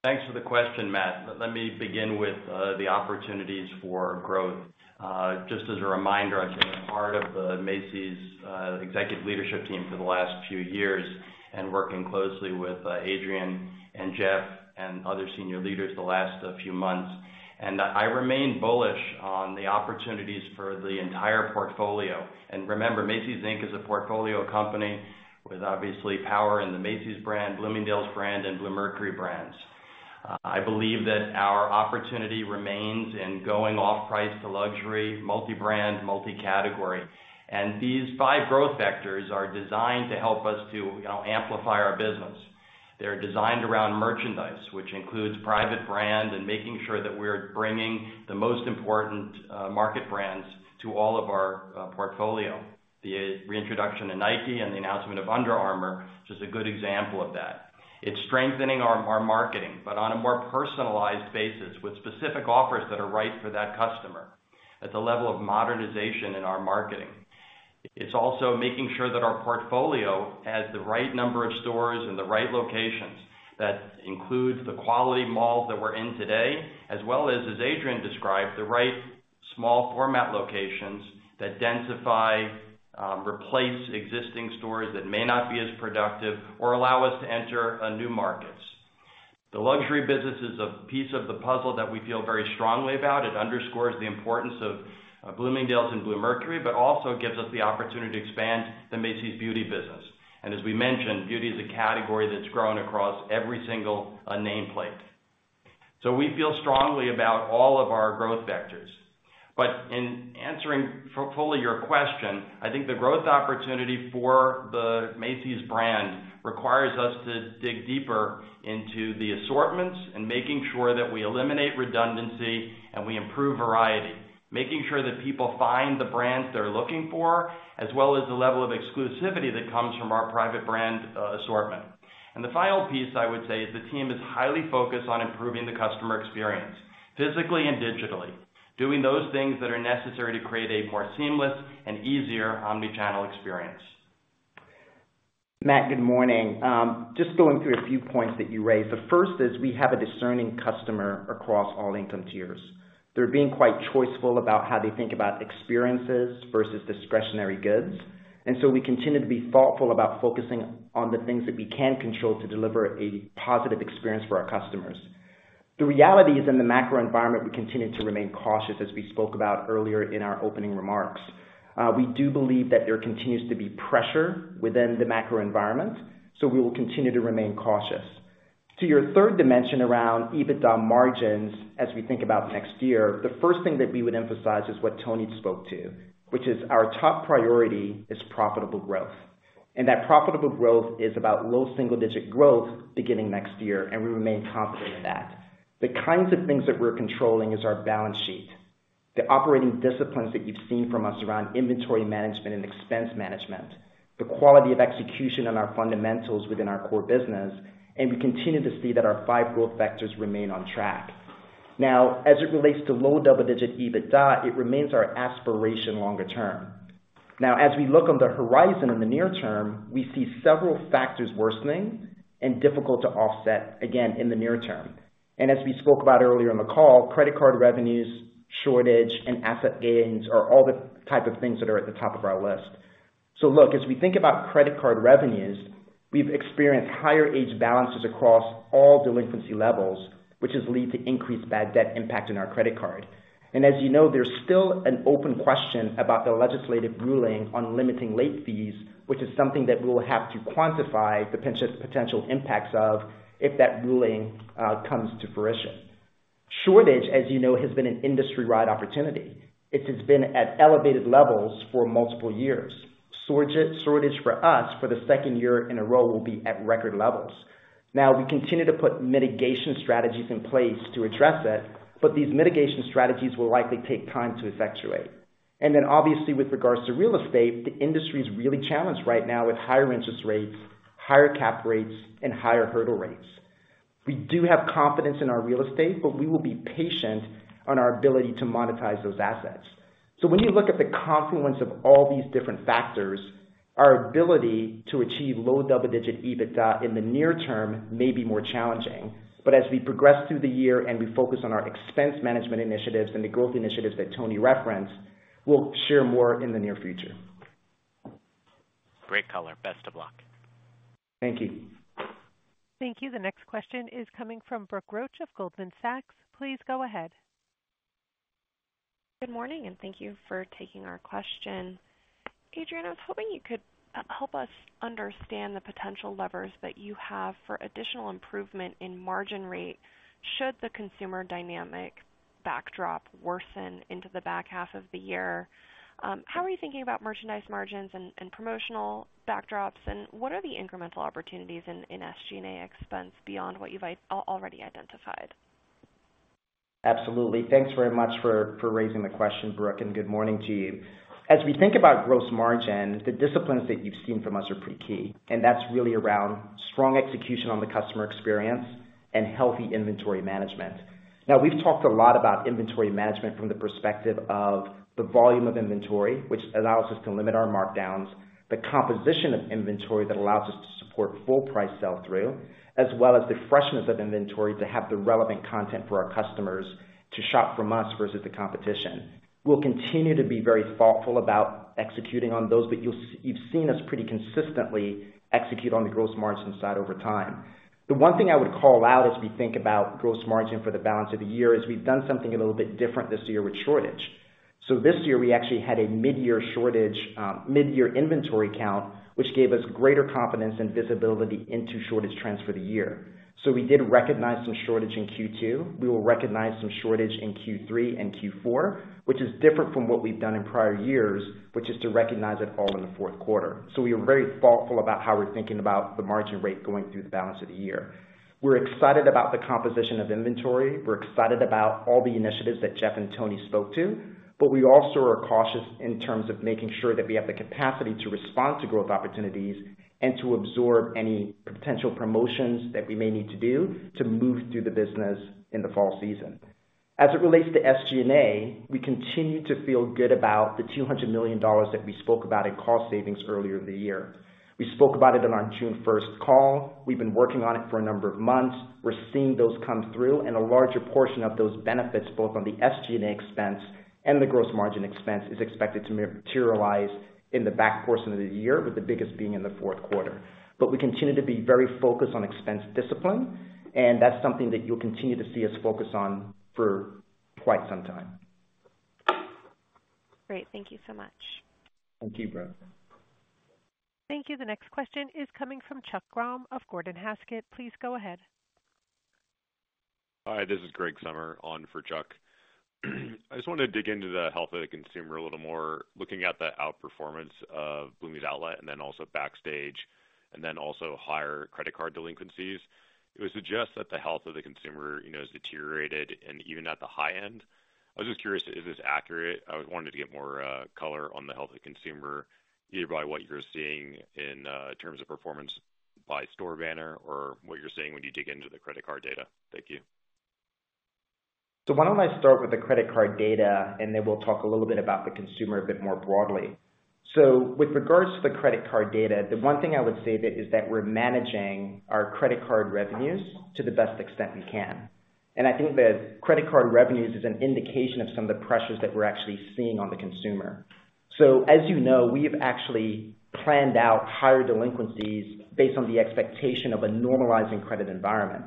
Thanks for the question, Matt. Let me begin with the opportunities for growth. Just as a reminder, I've been a part of the Macy's executive leadership team for the last few years and working closely with Adrian and Jeff and other senior leaders the last few months. I remain bullish on the opportunities for the entire portfolio. Remember, Macy's Inc. is a portfolio company with obviously power in the Macy's brand, Bloomingdale's brand, and Bluemercury brands. I believe that our opportunity remains in going off price to luxury, multi-brand, multi-category. These five growth vectors are designed to help us to, you know, amplify our business. They're designed around merchandise, which includes private brand and making sure that we're bringing the most important market brands to all of our portfolio. The reintroduction to Nike and the announcement of Under Armour, just a good example of that. It's strengthening our, our marketing, but on a more personalized basis, with specific offers that are right for that customer, at the level of modernization in our marketing. It's also making sure that our portfolio has the right number of stores in the right locations. That includes the quality malls that we're in today, as well as, as Adrian described, the right small format locations that densify, replace existing stores that may not be as productive or allow us to enter new markets. The luxury business is a piece of the puzzle that we feel very strongly about. It underscores the importance of Bloomingdale's and Bluemercury, but also gives us the opportunity to expand the Macy's Beauty business. As we mentioned, beauty is a category that's grown across every single nameplate. We feel strongly about all of our growth vectors. In answering fully your question, I think the growth opportunity for the Macy's brand requires us to dig deeper into the assortments and making sure that we eliminate redundancy and we improve variety. Making sure that people find the brands they're looking for, as well as the level of exclusivity that comes from our private brand assortment. The final piece, I would say, is the team is highly focused on improving the customer experience, physically and digitally, doing those things that are necessary to create a more seamless and easier omni-channel experience. Matt, good morning. Just going through a few points that you raised. The first is, we have a discerning customer across all income tiers. They're being quite choiceful about how they think about experiences versus discretionary goods. So we continue to be thoughtful about focusing on the things that we can control to deliver a positive experience for our customers. The reality is, in the macro environment, we continue to remain cautious, as we spoke about earlier in our opening remarks. We do believe that there continues to be pressure within the macro environment, so we will continue to remain cautious. To your third dimension around EBITDA margins, as we think about next year, the first thing that we would emphasize is what Tony spoke to, which is our top priority is profitable growth. That profitable growth is about low single-digit growth beginning next year, and we remain confident in that. The kinds of things that we're controlling is our balance sheet, the operating disciplines that you've seen from us around inventory management and expense management, the quality of execution on our fundamentals within our core business, and we continue to see that our 5 growth vectors remain on track. Now, as it relates to low double-digit EBITDA, it remains our aspiration longer term. Now, as we look on the horizon in the near term, we see several factors worsening and difficult to offset, again, in the near term. As we spoke about earlier in the call, credit card revenues, shortage, and asset gains are all the type of things that are at the top of our list. Look, as we think about credit card revenues, we've experienced higher age balances across all delinquency levels, which has lead to increased bad debt impact on our credit card. As you know, there's still an open question about the legislative ruling on limiting late fees, which is something that we'll have to quantify the potential impacts of if that ruling comes to fruition. Shortage, as you know, has been an industry-wide opportunity. It has been at elevated levels for multiple years. Shortage, shortage for us, for the second year in a row, will be at record levels. Now, we continue to put mitigation strategies in place to address it, but these mitigation strategies will likely take time to effectuate. Then, obviously, with regards to real estate, the industry is really challenged right now with higher interest rates, higher cap rates, and higher hurdle rates. We do have confidence in our real estate, but we will be patient on our ability to monetize those assets. When you look at the confluence of all these different factors, our ability to achieve low double-digit EBITDA in the near term may be more challenging. As we progress through the year and we focus on our expense management initiatives and the growth initiatives that Tony referenced, we'll share more in the near future. Great color. Best of luck. Thank you. Thank you. The next question is coming from Brooke Roach of Goldman Sachs. Please go ahead. Good morning. Thank you for taking our question. Adrian, I was hoping you could help us understand the potential levers that you have for additional improvement in margin rate, should the consumer dynamic backdrop worsen into the back half of the year. How are you thinking about merchandise margins and, and promotional backdrops, and what are the incremental opportunities in, in SG&A expense beyond what you've already identified? Absolutely. Thanks very much for, for raising the question, Brooke, and good morning to you. As we think about gross margin, the disciplines that you've seen from us are pretty key, and that's really around strong execution on the customer experience and healthy inventory management. Now, we've talked a lot about inventory management from the perspective of the volume of inventory, which allows us to limit our markdowns, the composition of inventory that allows us to support full price sell-through, as well as the freshness of inventory to have the relevant content for our customers to shop from us versus the competition. We'll continue to be very thoughtful about executing on those, but you've seen us pretty consistently execute on the gross margin side over time. The one thing I would call out as we think about gross margin for the balance of the year, is we've done something a little bit different this year with shortage. This year, we actually had a mid-year shortage, mid-year inventory count, which gave us greater confidence and visibility into shortage trends for the year. We did recognize some shortage in Q2. We will recognize some shortage in Q3 and Q4, which is different from what we've done in prior years, which is to recognize it all in the fourth quarter. We are very thoughtful about how we're thinking about the margin rate going through the balance of the year. We're excited about the composition of inventory. We're excited about all the initiatives that Jeff and Tony spoke to, but we also are cautious in terms of making sure that we have the capacity to respond to growth opportunities and to absorb any potential promotions that we may need to do to move through the business in the fall season. As it relates to SG&A, we continue to feel good about the $200 million that we spoke about in cost savings earlier in the year. We spoke about it on our June first call. We've been working on it for a number of months. We're seeing those come through, and a larger portion of those benefits, both on the SG&A expense and the gross margin expense, is expected to materialize in the back portion of the year, with the biggest being in the fourth quarter. We continue to be very focused on expense discipline, and that's something that you'll continue to see us focus on for quite some time. Great. Thank you so much. Thank you, Brooke. Thank you. The next question is coming from Chuck Grom of Gordon Haskett. Please go ahead. Hi, this is Greg Sommer on for Chuck. I just wanted to dig into the health of the consumer a little more, looking at the outperformance of Bloomingdale's Outlet and then also Backstage, and then also higher credit card delinquencies. It would suggest that the health of the consumer, you know, has deteriorated and even at the high end. I was just curious, is this accurate? I was wanting to get more, color on the health of the consumer, either by what you're seeing in, terms of performance by store banner or what you're seeing when you dig into the credit card data. Thank you. Why don't I start with the credit card data, and then we'll talk a little bit about the consumer a bit more broadly. With regards to the credit card data, the one thing I would say that is that we're managing our credit card revenues to the best extent we can. I think that credit card revenues is an indication of some of the pressures that we're actually seeing on the consumer. As you know, we have actually planned out higher delinquencies based on the expectation of a normalizing credit environment.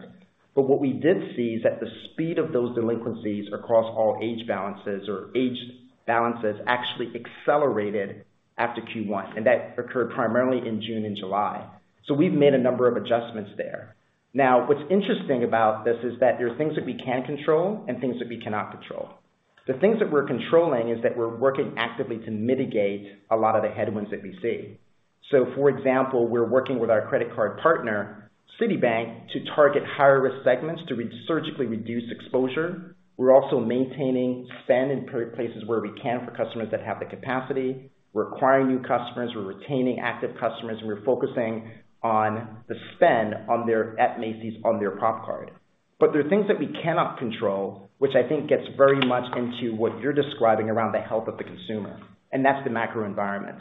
What we did see is that the speed of those delinquencies across all age balances or aged balances, actually accelerated after Q1, and that occurred primarily in June and July. We've made a number of adjustments there. What's interesting about this is that there are things that we can control and things that we cannot control. The things that we're controlling is that we're working actively to mitigate a lot of the headwinds that we see. For example, we're working with our credit card partner, Citibank, to target higher risk segments to surgically reduce exposure. We're also maintaining spend in places where we can for customers that have the capacity. We're acquiring new customers, we're retaining active customers, and we're focusing on the spend on their at Macy's, on their prop card. There are things that we cannot control, which I think gets very much into what you're describing around the health of the consumer, and that's the macro environment.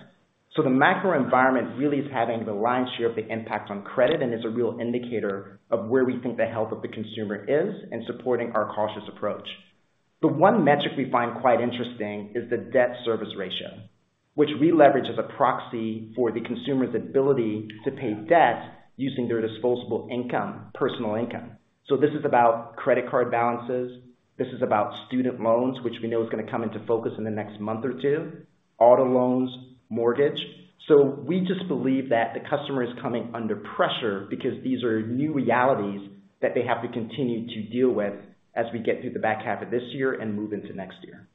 The macro environment really is having the lion's share of the impact on credit and is a real indicator of where we think the health of the consumer is and supporting our cautious approach. The one metric we find quite interesting is the debt service ratio, which we leverage as a proxy for the consumer's ability to pay debt using their disposable income, personal income. This is about credit card balances. This is about student loans, which we know is gonna come into focus in the next month or two, auto loans, mortgage. We just believe that the customer is coming under pressure because these are new realities that they have to continue to deal with as we get through the back half of this year and move into next year.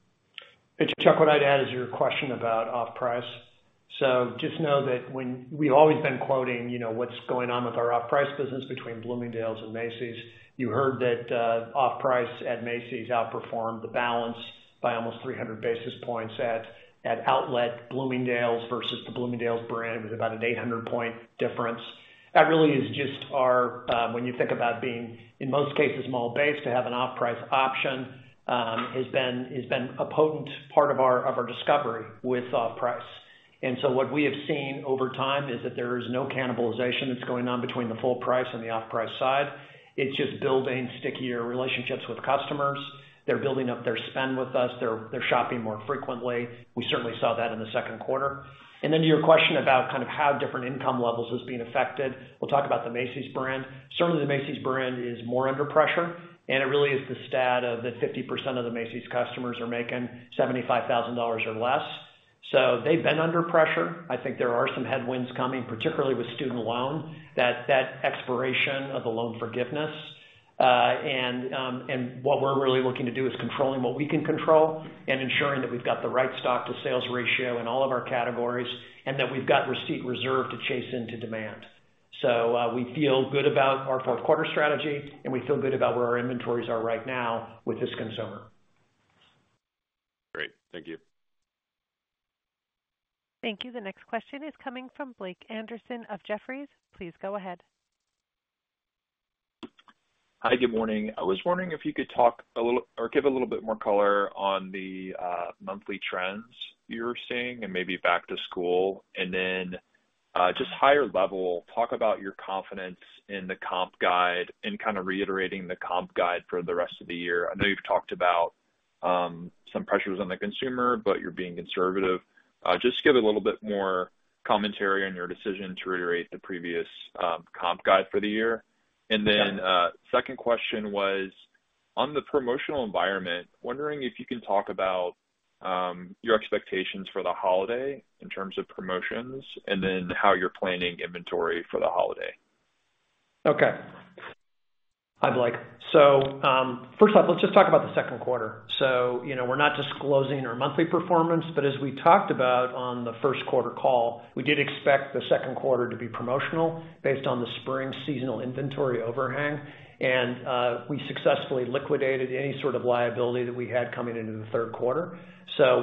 Chuck, what I'd add is your question about off-price. Just know that when we've always been quoting, you know, what's going on with our off-price business between Bloomingdale's and Macy's. You heard that off-price at Macy's outperformed the balance by almost 300 basis points at, at Outlet Bloomingdale's versus the Bloomingdale's brand, with about an 800 point difference. That really is just our, when you think about being, in most cases, mall-based, to have an off-price option, has been, has been a potent part of our, of our discovery with off-price. What we have seen over time is that there is no cannibalization that's going on between the full price and the off-price side. It's just building stickier relationships with customers. They're building up their spend with us, they're, they're shopping more frequently. We certainly saw that in the second quarter. Then to your question about kind of how different income levels is being affected, we'll talk about the Macy's brand. Certainly, the Macy's brand is more under pressure, and it really is the stat of that 50% of the Macy's customers are making $75,000 or less. They've been under pressure. I think there are some headwinds coming, particularly with student loan, that, that expiration of the loan forgiveness. And what we're really looking to do is controlling what we can control and ensuring that we've got the right stock to sales ratio in all of our categories, and that we've got receipt reserve to chase into demand. We feel good about our fourth quarter strategy, and we feel good about where our inventories are right now with this consumer. Great. Thank you. Thank you. The next question is coming from Blake Anderson of Jefferies. Please go ahead. Hi, good morning. I was wondering if you could talk a little or give a little bit more color on the monthly trends you're seeing and maybe back to school, and then just higher level, talk about your confidence in the comp guide and kind of reiterating the comp guide for the rest of the year. I know you've talked about some pressures on the consumer, but you're being conservative. Just give a little bit more commentary on your decision to reiterate the previous comp guide for the year? Then, second question was, on the promotional environment, wondering if you can talk about your expectations for the holiday in terms of promotions, and then how you're planning inventory for the holiday? Okay. Hi, Blake. First off, let's just talk about the second quarter. You know, we're not disclosing our monthly performance, but as we talked about on the first quarter call, we did expect the second quarter to be promotional based on the spring seasonal inventory overhang. We successfully liquidated any sort of liability that we had coming into the third quarter.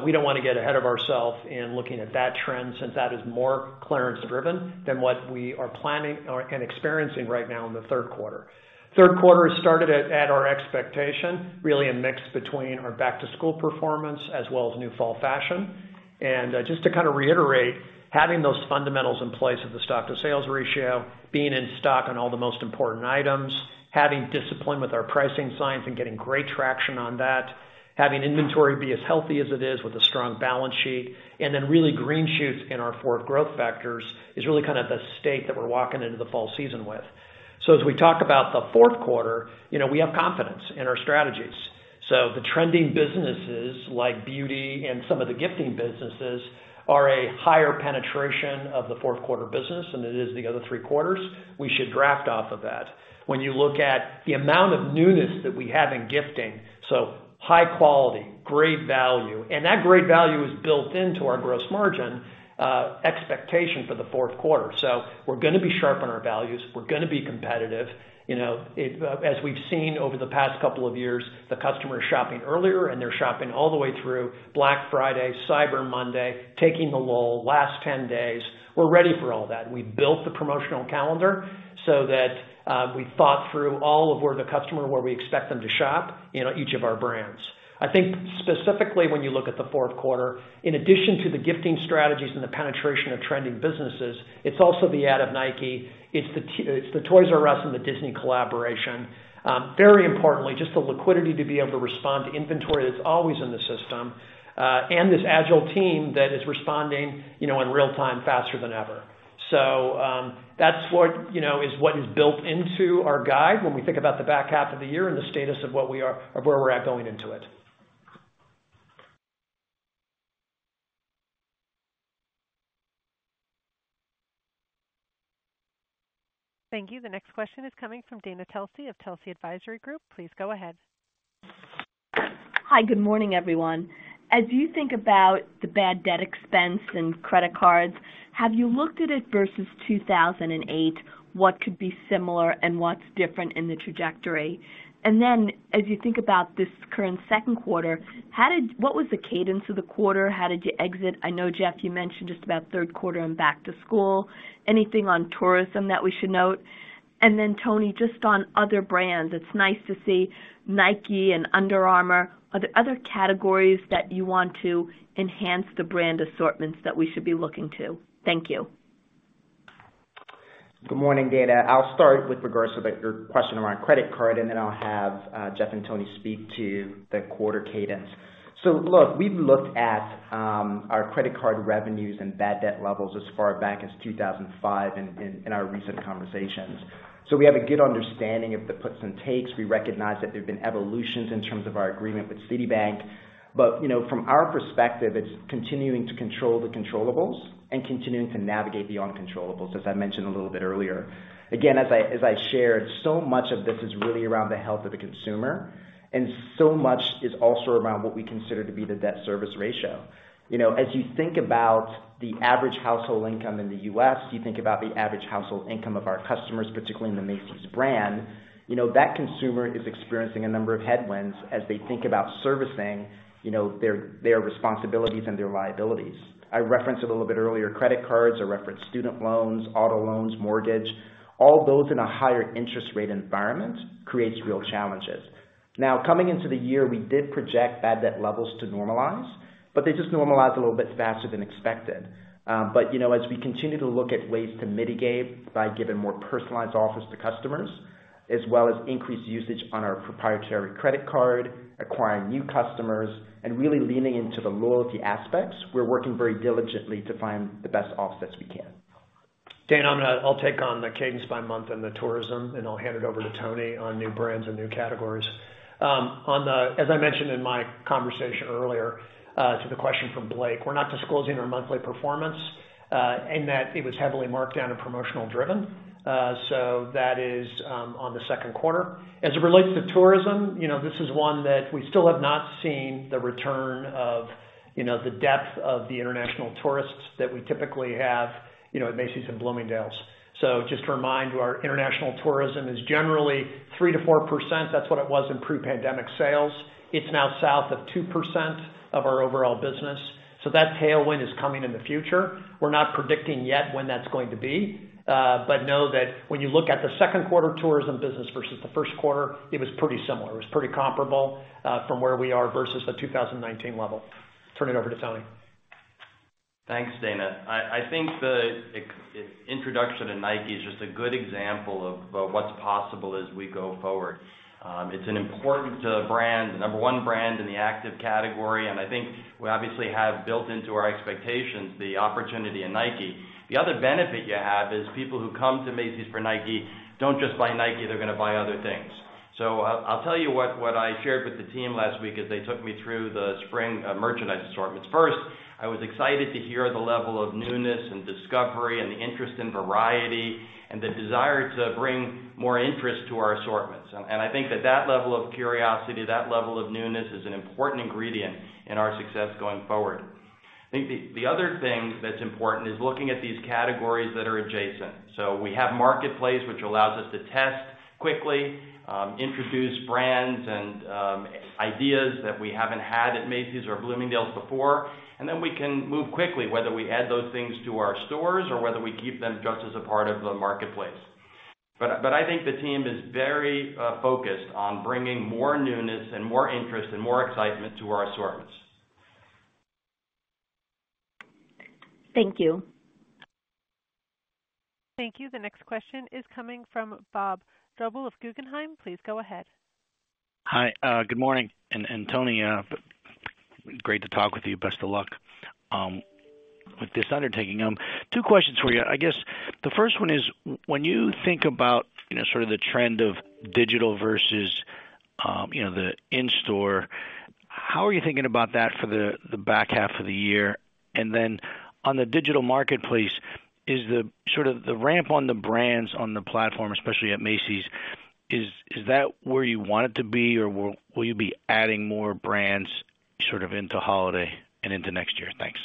We don't wanna get ahead of ourself in looking at that trend, since that is more clearance driven than what we are planning and experiencing right now in the third quarter. Third quarter started at our expectation, really a mix between our back-to-school performance as well as new fall fashion. Just to kind of reiterate, having those fundamentals in place of the stock to sales ratio, being in stock on all the most important items, having discipline with our pricing science and getting great traction on that, having inventory be as healthy as it is with a strong balance sheet, and then really green shoots in our fourth growth factors, is really kind of the state that we're walking into the fall season with. As we talk about the fourth quarter, you know, we have confidence in our strategies. The trending businesses, like beauty and some of the gifting businesses, are a higher penetration of the fourth quarter business than it is the other three quarters. We should draft off of that. When you look at the amount of newness that we have in gifting, high quality, great value, and that great value is built into our gross margin expectation for the fourth quarter. We're gonna be sharp on our values. We're gonna be competitive. You know, as we've seen over the past couple of years, the customer is shopping earlier, and they're shopping all the way through Black Friday, Cyber Monday, taking the lull, last 10 days. We're ready for all that. We built the promotional calendar so that we thought through all of where the customer, where we expect them to shop in each of our brands. I think specifically when you look at the fourth quarter, in addition to the gifting strategies and the penetration of trending businesses, it's also the ad of Nike. It's the Toys 'R' Us and the Disney collaboration. Very importantly, just the liquidity to be able to respond to inventory that's always in the system, and this agile team that is responding, you know, in real time, faster than ever. That's what, you know, is what is built into our guide when we think about the back half of the year and the status of what we are of where we're at going into it. Thank you. The next question is coming from Dana Telsey of Telsey Advisory Group. Please go ahead. Hi, good morning, everyone. As you think about the bad debt expense and credit cards, have you looked at it versus 2008? What could be similar and what's different in the trajectory? Then as you think about this current second quarter, how did what was the cadence of the quarter? How did you exit? I know, Jeff, you mentioned just about third quarter and back to school. Anything on tourism that we should note? Then, Tony, just on other brands, it's nice to see Nike and Under Armour. Are there other categories that you want to enhance the brand assortments that we should be looking to? Thank you. Good morning, Dana. I'll start with regards to the, your question around credit card, and then I'll have Jeff and Tony speak to the quarter cadence. Look, we've looked at our credit card revenues and bad debt levels as far back as 2005 in, in, in our recent conversations. We have a good understanding of the puts and takes. We recognize that there have been evolutions in terms of our agreement with Citibank, but, you know, from our perspective, it's continuing to control the controllables and continuing to navigate the uncontrollables, as I mentioned a little bit earlier. Again, as I, as I shared, so much of this is really around the health of the consumer, and so much is also around what we consider to be the debt service ratio. You know, as you think about the average household income in the U.S., you think about the average household income of our customers, particularly in the Macy's brand, you know, that consumer is experiencing a number of headwinds as they think about servicing, you know, their, their responsibilities and their liabilities. I referenced a little bit earlier, credit cards, I referenced student loans, auto loans, mortgage. All those in a higher interest rate environment creates real challenges. Coming into the year, we did project bad debt levels to normalize, but they just normalized a little bit faster than expected. You know, as we continue to look at ways to mitigate by giving more personalized offers to customers, as well as increased usage on our proprietary credit card, acquiring new customers, and really leaning into the loyalty aspects, we're working very diligently to find the best offsets we can. Dana, I'm gonna I'll take on the cadence by month and the tourism, and I'll hand it over to Tony on new brands and new categories. On the... as I mentioned in my conversation earlier, to the question from Blake, we're not disclosing our monthly performance, and that it was heavily marked down and promotional driven. That is on the second quarter. As it relates to tourism, you know, this is one that we still have not seen the return of, you know, the depth of the international tourists that we typically have, you know, at Macy's and Bloomingdale's. Just to remind you, our international tourism is generally 3%-4%. That's what it was in pre-pandemic sales. It's now south of 2% of our overall business. That tailwind is coming in the future. We're not predicting yet when that's going to be, but know that when you look at the second quarter tourism business versus the first quarter, it was pretty similar. It was pretty comparable from where we are versus the 2019 level. Turn it over to Tony. Thanks, Dana. I think the introduction to Nike is just a good example of what's possible as we go forward. It's an important brand, the number one brand in the active category, and I think we obviously have built into our expectations the opportunity in Nike. The other benefit you have is people who come to Macy's for Nike, don't just buy Nike, they're gonna buy other things. I'll tell you what, what I shared with the team last week as they took me through the spring merchandise assortments. First, I was excited to hear the level of newness and discovery and the interest in variety, and the desire to bring more interest to our assortments. I think that that level of curiosity, that level of newness, is an important ingredient in our success going forward. I think the, the other thing that's important is looking at these categories that are adjacent. We have Marketplace, which allows us to test quickly, introduce brands and ideas that we haven't had at Macy's or Bloomingdale's before, and then we can move quickly, whether we add those things to our stores or whether we keep them just as a part of the marketplace. I think the team is very focused on bringing more newness and more interest and more excitement to our assortments. Thank you. Thank you. The next question is coming from Bob Drbul of Guggenheim. Please go ahead. Hi, good morning. And Tony, great to talk with you. Best of luck with this undertaking. Two questions for you. I guess the first one is, when you think about, you know, sort of the trend of digital versus, you know, the in-store, how are you thinking about that for the, the back half of the year? Then on the digital marketplace, is the sort of the ramp on the brands on the platform, especially at Macy's, is, is that where you want it to be, or will, will you be adding more brands sort of into holiday and into next year? Thanks.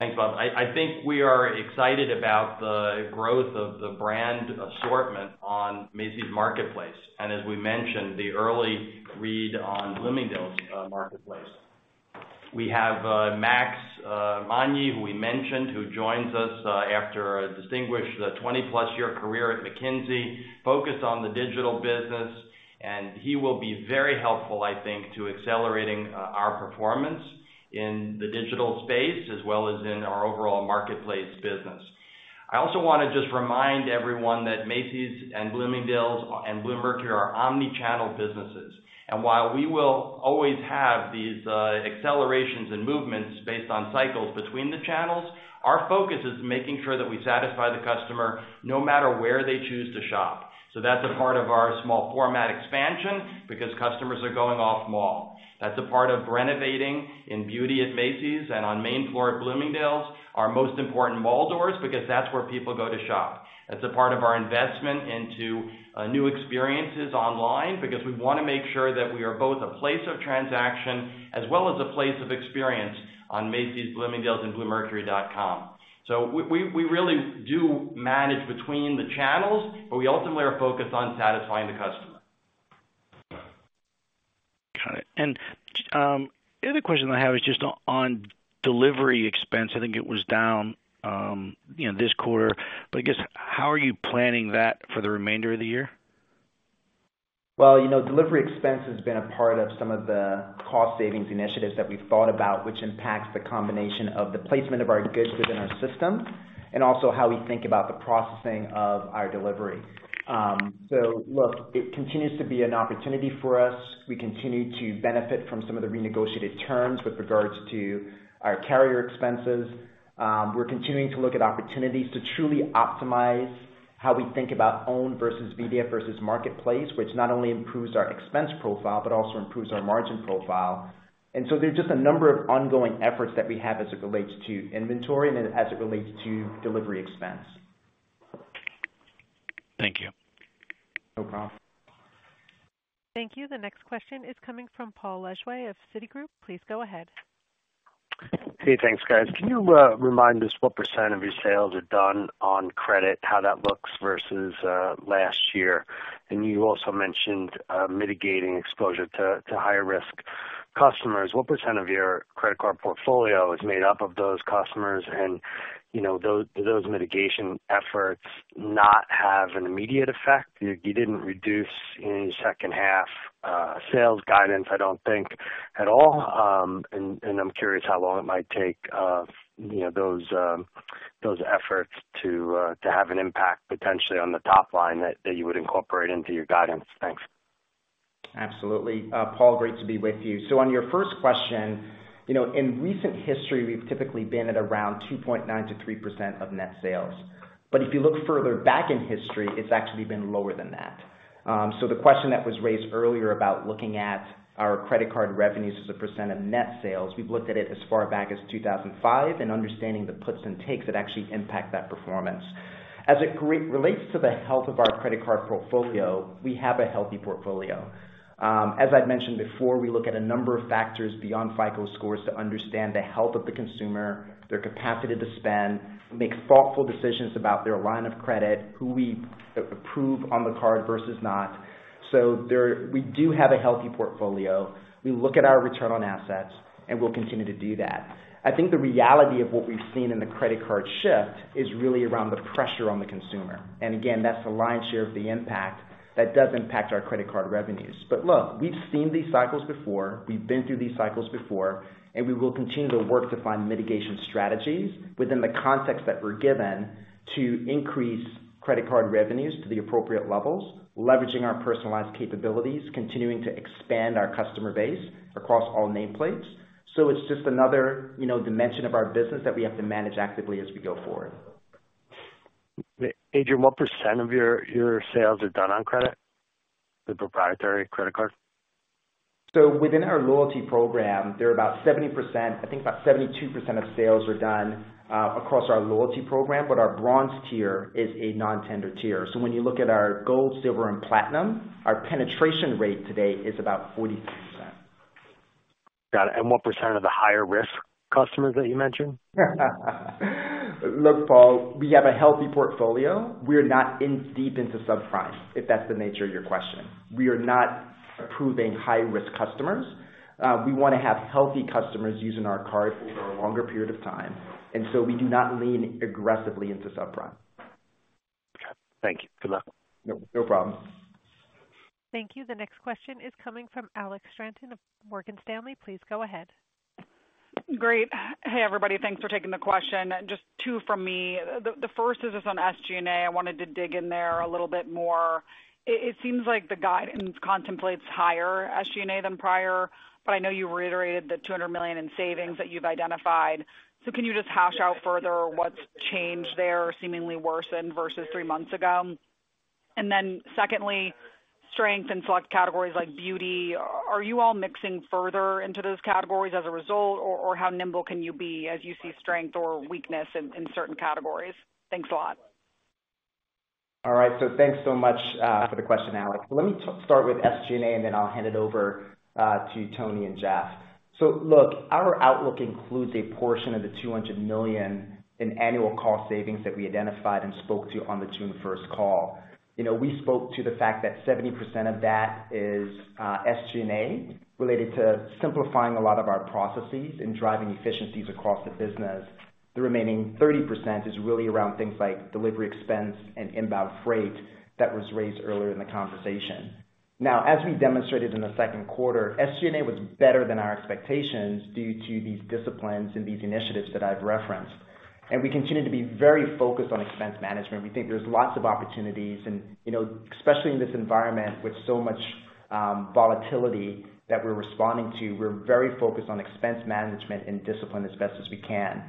Thanks, Bob. I think we are excited about the growth of the brand assortment on Macy's Marketplace. As we mentioned, the early read on Bloomingdale's Marketplace. We have Max Magni, who we mentioned, who joins us after a distinguished 20+-year career at McKinsey, focused on the digital business, and he will be very helpful, I think, to accelerating our performance in the digital space, as well as in our overall Marketplace business. Also want to just remind everyone that Macy's and Bloomingdale's and Bluemercury are omni-channel businesses, and while we will always have these accelerations and movements based on cycles between the channels, our focus is making sure that we satisfy the customer no matter where they choose to shop. That's a part of our small format expansion, because customers are going off-mall. That's a part of renovating in beauty at Macy's and on main floor at Bloomingdale's, our most important mall doors, because that's where people go to shop. That's a part of our investment into new experiences online, because we want to make sure that we are both a place of transaction as well as a place of experience on Macy's, Bloomingdale's and Bluemercury.com. We, we, we really do manage between the channels, but we ultimately are focused on satisfying the customer. Got it. The other question I have is just on, on delivery expense. I think it was down, you know, this quarter, but I guess, how are you planning that for the remainder of the year? Well, you know, delivery expense has been a part of some of the cost savings initiatives that we've thought about, which impacts the combination of the placement of our goods within our system, and also how we think about the processing of our delivery. It continues to be an opportunity for us. We continue to benefit from some of the renegotiated terms with regards to our carrier expenses. We're continuing to look at opportunities to truly optimize how we think about own versus media versus marketplace, which not only improves our expense profile, but also improves our margin profile. There's just a number of ongoing efforts that we have as it relates to inventory and as it relates to delivery expense. Thank you. No problem. Thank you. The next question is coming from Paul Lejuez of Citigroup. Please go ahead. Hey, thanks, guys. Can you remind us what percent of your sales are done on credit, how that looks versus last year? You also mentioned mitigating exposure to, to higher risk customers. What % of your credit card portfolio is made up of those customers? You know, do, do those mitigation efforts not have an immediate effect? You, you didn't reduce any second half sales guidance, I don't think, at all. I'm curious how long it might take, you know, those efforts to have an impact potentially on the top line that, that you would incorporate into your guidance. Thanks. Absolutely. Paul, great to be with you. On your first question, you know, in recent history, we've typically been at around 2.9%-3% of net sales. If you look further back in history, it's actually been lower than that. The question that was raised earlier about looking at our credit card revenues as a percent of net sales, we've looked at it as far back as 2005, and understanding the puts and takes that actually impact that performance. As it relates to the health of our credit card portfolio, we have a healthy portfolio. As I've mentioned before, we look at a number of factors beyond FICO scores to understand the health of the consumer, their capacity to spend, make thoughtful decisions about their line of credit, who we approve on the card versus not. There, we do have a healthy portfolio. We look at our return on assets, and we'll continue to do that. I think the reality of what we've seen in the credit card shift is really around the pressure on the consumer. Again, that's the lion's share of the impact that does impact our credit card revenues. Look, we've seen these cycles before, we've been through these cycles before, and we will continue to work to find mitigation strategies within the context that we're given to increase credit card revenues to the appropriate levels, leveraging our personalized capabilities, continuing to expand our customer base across all nameplates. It's just another, you know, dimension of our business that we have to manage actively as we go forward. Adrian, what percentage of your, your sales are done on credit, the proprietary credit card? Within our loyalty program, there are about 70%, I think about 72% of sales are done across our loyalty program, but our bronze tier is a non-tender tier. When you look at our gold, silver, and platinum, our penetration rate today is about 43%. Got it. What percentage are the higher risk customers that you mentioned? Look, Paul, we have a healthy portfolio. We are not in deep into subprime, if that's the nature of your question. We are not approving high-risk customers. We want to have healthy customers using our card over a longer period of time, and so we do not lean aggressively into subprime. Thank you for that. No, no problem. Thank you. The next question is coming from Alexandra Straton of Morgan Stanley. Please go ahead. Great. Hey, everybody, thanks for taking the question. Just two from me. The first is just on SG&A. I wanted to dig in there a little bit more. It seems like the guidance contemplates higher SG&A than prior, but I know you reiterated the $200 million in savings that you've identified. Can you just hash out further what's changed there, seemingly worsened versus three months ago? Secondly, strength in select categories like beauty, are you all mixing further into those categories as a result? Or how nimble can you be as you see strength or weakness in certain categories? Thanks a lot. All right. Thanks so much for the question, Alex. Let me start with SG&A, and then I'll hand it over to Tony and Jeff. Look, our outlook includes a portion of the $200 million in annual cost savings that we identified and spoke to on the June first call. You know, we spoke to the fact that 70% of that is SG&A, related to simplifying a lot of our processes and driving efficiencies across the business. The remaining 30% is really around things like delivery expense and inbound freight that was raised earlier in the conversation. Now, as we demonstrated in the second quarter, SG&A was better than our expectations due to these disciplines and these initiatives that I've referenced, and we continue to be very focused on expense management. We think there's lots of opportunities and, you know, especially in this environment with so much volatility that we're responding to, we're very focused on expense management and discipline as best as we can.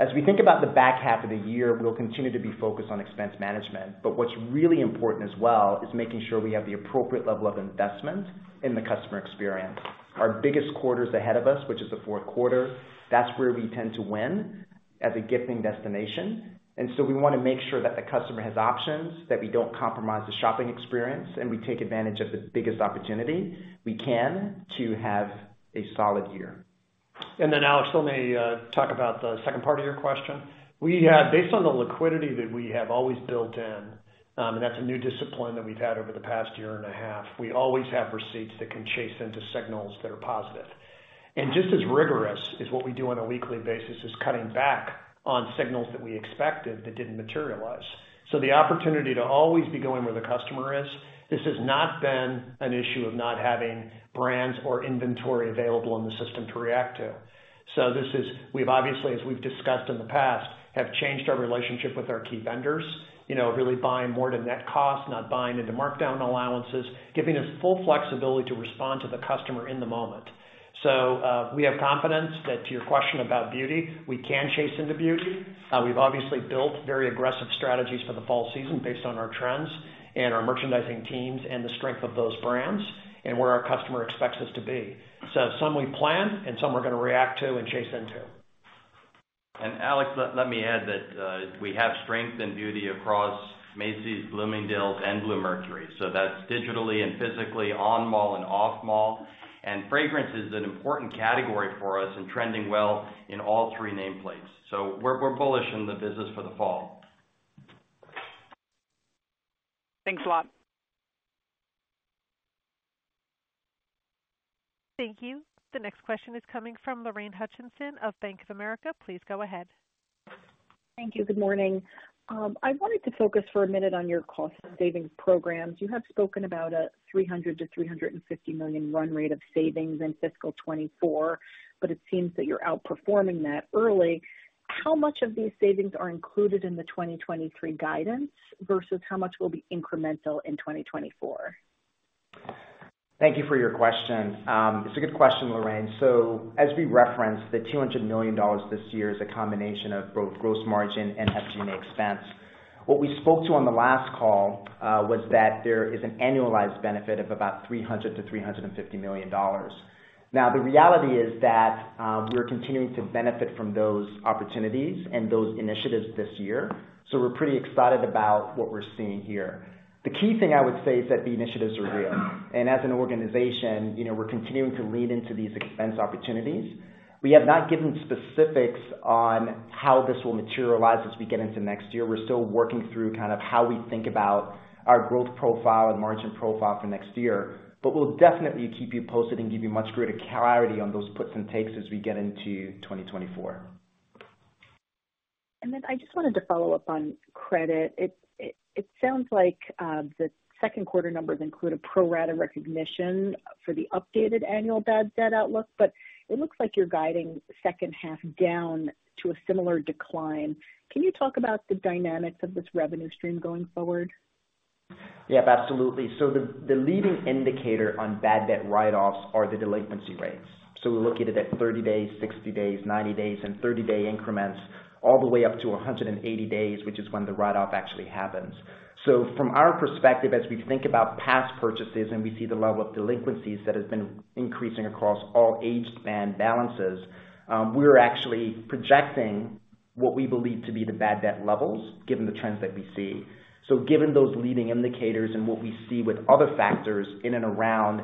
As we think about the back half of the year, we'll continue to be focused on expense management. What's really important as well is making sure we have the appropriate level of investment in the customer experience. Our biggest quarter is ahead of us, which is the fourth quarter. That's where we tend to win as a gifting destination, we wanna make sure that the customer has options, that we don't compromise the shopping experience, and we take advantage of the biggest opportunity we can to have a solid year. Alex, let me talk about the second part of your question. Based on the liquidity that we have always built in, that's a new discipline that we've had over the past year and a half, we always have receipts that can chase into signals that are positive. Just as rigorous as what we do on a weekly basis, is cutting back on signals that we expected that didn't materialize. The opportunity to always be going where the customer is, this has not been an issue of not having brands or inventory available in the system to react to. This is... We've obviously, as we've discussed in the past, have changed our relationship with our key vendors, you know, really buying more to net cost, not buying into markdown allowances, giving us full flexibility to respond to the customer in the moment. We have confidence that to your question about beauty, we can chase into beauty. We've obviously built very aggressive strategies for the fall season based on our trends and our merchandising teams and the strength of those brands and where our customer expects us to be. Some we plan and some we're gonna react to and chase into. Alex, let me add that we have strength in beauty across Macy's, Bloomingdale's and Bluemercury. That's digitally and physically, on mall and off mall. Fragrance is an important category for us and trending well in all three nameplates. We're bullish in the business for the fall. Thanks a lot. Thank you. The next question is coming from Lorraine Hutchinson of Bank of America. Please go ahead. Thank you. Good morning. I wanted to focus for a minute on your cost savings programs. You have spoken about a $300 million-$350 million run rate of savings in fiscal 2024, but it seems that you're outperforming that early. How much of these savings are included in the 2023 guidance versus how much will be incremental in 2024? Thank you for your question. It's a good question, Lorraine. As we referenced, the $200 million this year is a combination of both gross margin and SG&A expense. What we spoke to on the last call, was that there is an annualized benefit of about $300 million-$350 million. Now, the reality is that, we're continuing to benefit from those opportunities and those initiatives this year, so we're pretty excited about what we're seeing here. The key thing I would say is that the initiatives are real, and as an organization, you know, we're continuing to lean into these expense opportunities. We have not given specifics on how this will materialize as we get into next year. We're still working through kind of how we think about our growth profile and margin profile for next year, but we'll definitely keep you posted and give you much greater clarity on those puts and takes as we get into 2024. Then I just wanted to follow up on credit. It sounds like the second quarter numbers include a pro rata recognition for the updated annual bad debt outlook, but it looks like you're guiding second half down to a similar decline. Can you talk about the dynamics of this revenue stream going forward? Yep, absolutely. The, the leading indicator on bad debt write-offs are the delinquency rates. We look at it at 30 days, 60 days, 90 days, and 30-day increments, all the way up to 180 days, which is when the write-off actually happens. From our perspective, as we think about past purchases and we see the level of delinquencies that has been increasing across all age span balances, we're actually projecting what we believe to be the bad debt levels, given the trends that we see. Given those leading indicators and what we see with other factors in and around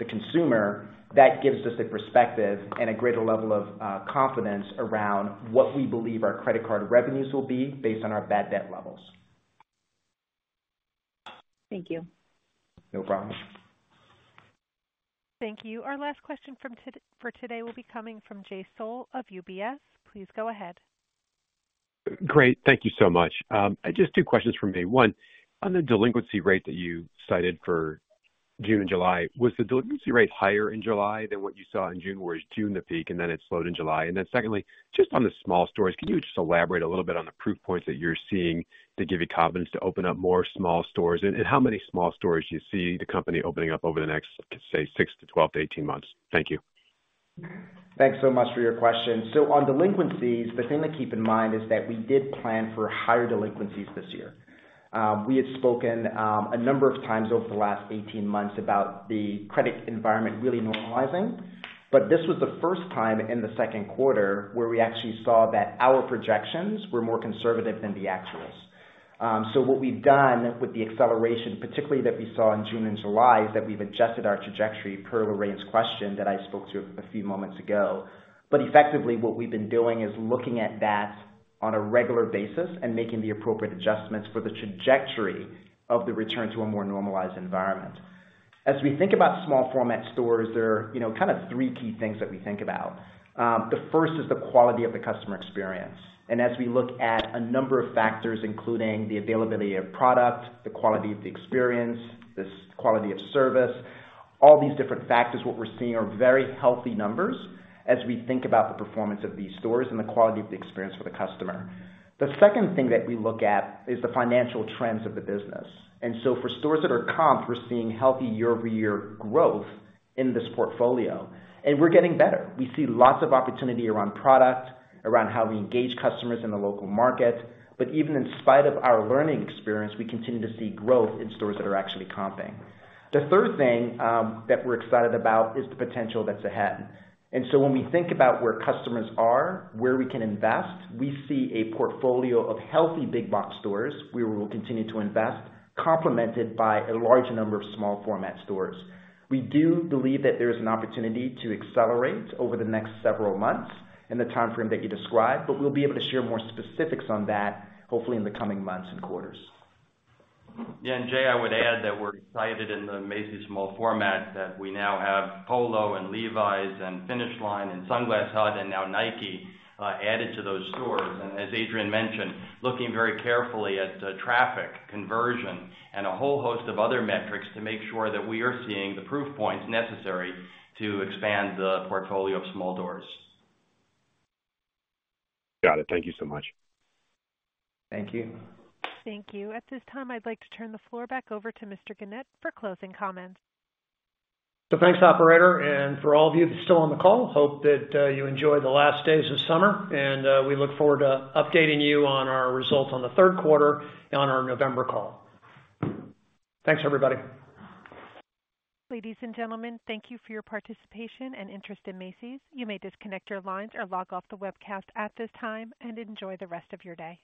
the consumer, that gives us a perspective and a greater level of confidence around what we believe our credit card revenues will be based on our bad debt levels. Thank you. No problem. Thank you. Our last question from today will be coming from Jay Sole of UBS. Please go ahead. Great. Thank you so much. Just two questions from me. One, on the delinquency rate that you cited for June and July, was the delinquency rate higher in July than what you saw in June, or is June the peak, and then it slowed in July? Secondly, just on the small stores, can you just elaborate a little bit on the proof points that you're seeing that give you confidence to open up more small stores, and how many small stores do you see the company opening up over the next, say, 6 months to 12 months to 18 months? Thank you. Thanks so much for your question. On delinquencies, the thing to keep in mind is that we did plan for higher delinquencies this year. We had spoken a number of times over the last 18 months about the credit environment really normalizing, but this was the first time in the second quarter where we actually saw that our projections were more conservative than the actuals. What we've done with the acceleration, particularly that we saw in June and July, is that we've adjusted our trajectory per Lorraine's question that I spoke to a few moments ago. Effectively, what we've been doing is looking at that on a regular basis and making the appropriate adjustments for the trajectory of the return to a more normalized environment. As we think about small format stores, there are, you know, kind of three key things that we think about. The first is the quality of the customer experience. As we look at a number of factors, including the availability of product, the quality of the experience, this quality of service, all these different factors, what we're seeing are very healthy numbers as we think about the performance of these stores and the quality of the experience for the customer. The second thing that we look at is the financial trends of the business. So for stores that are comp, we're seeing healthy year-over-year growth in this portfolio. We're getting better. We see lots of opportunity around product, around how we engage customers in the local market, even in spite of our learning experience, we continue to see growth in stores that are actually comping. The third thing that we're excited about is the potential that's ahead. When we think about where customers are, where we can invest, we see a portfolio of healthy big box stores, where we will continue to invest, complemented by a large number of small format stores. We do believe that there is an opportunity to accelerate over the next several months in the timeframe that you described, but we'll be able to share more specifics on that, hopefully, in the coming months and quarters. Yeah, and Jay, I would add that we're excited in the Macy's small format, that we now have Polo and Levi's and Finish Line and Sunglass Hut, and now Nike added to those stores. As Adrian mentioned, looking very carefully at the traffic conversion and a whole host of other metrics to make sure that we are seeing the proof points necessary to expand the portfolio of small stores. Got it. Thank you so much. Thank you. Thank you. At this time, I'd like to turn the floor back over to Mr. Gennette for closing comments. Thanks, operator, and for all of you that are still on the call, hope that you enjoy the last days of summer, and we look forward to updating you on our results on the third quarter and on our November call. Thanks, everybody. Ladies and gentlemen, thank you for your participation and interest in Macy's. You may disconnect your lines or log off the webcast at this time and enjoy the rest of your day.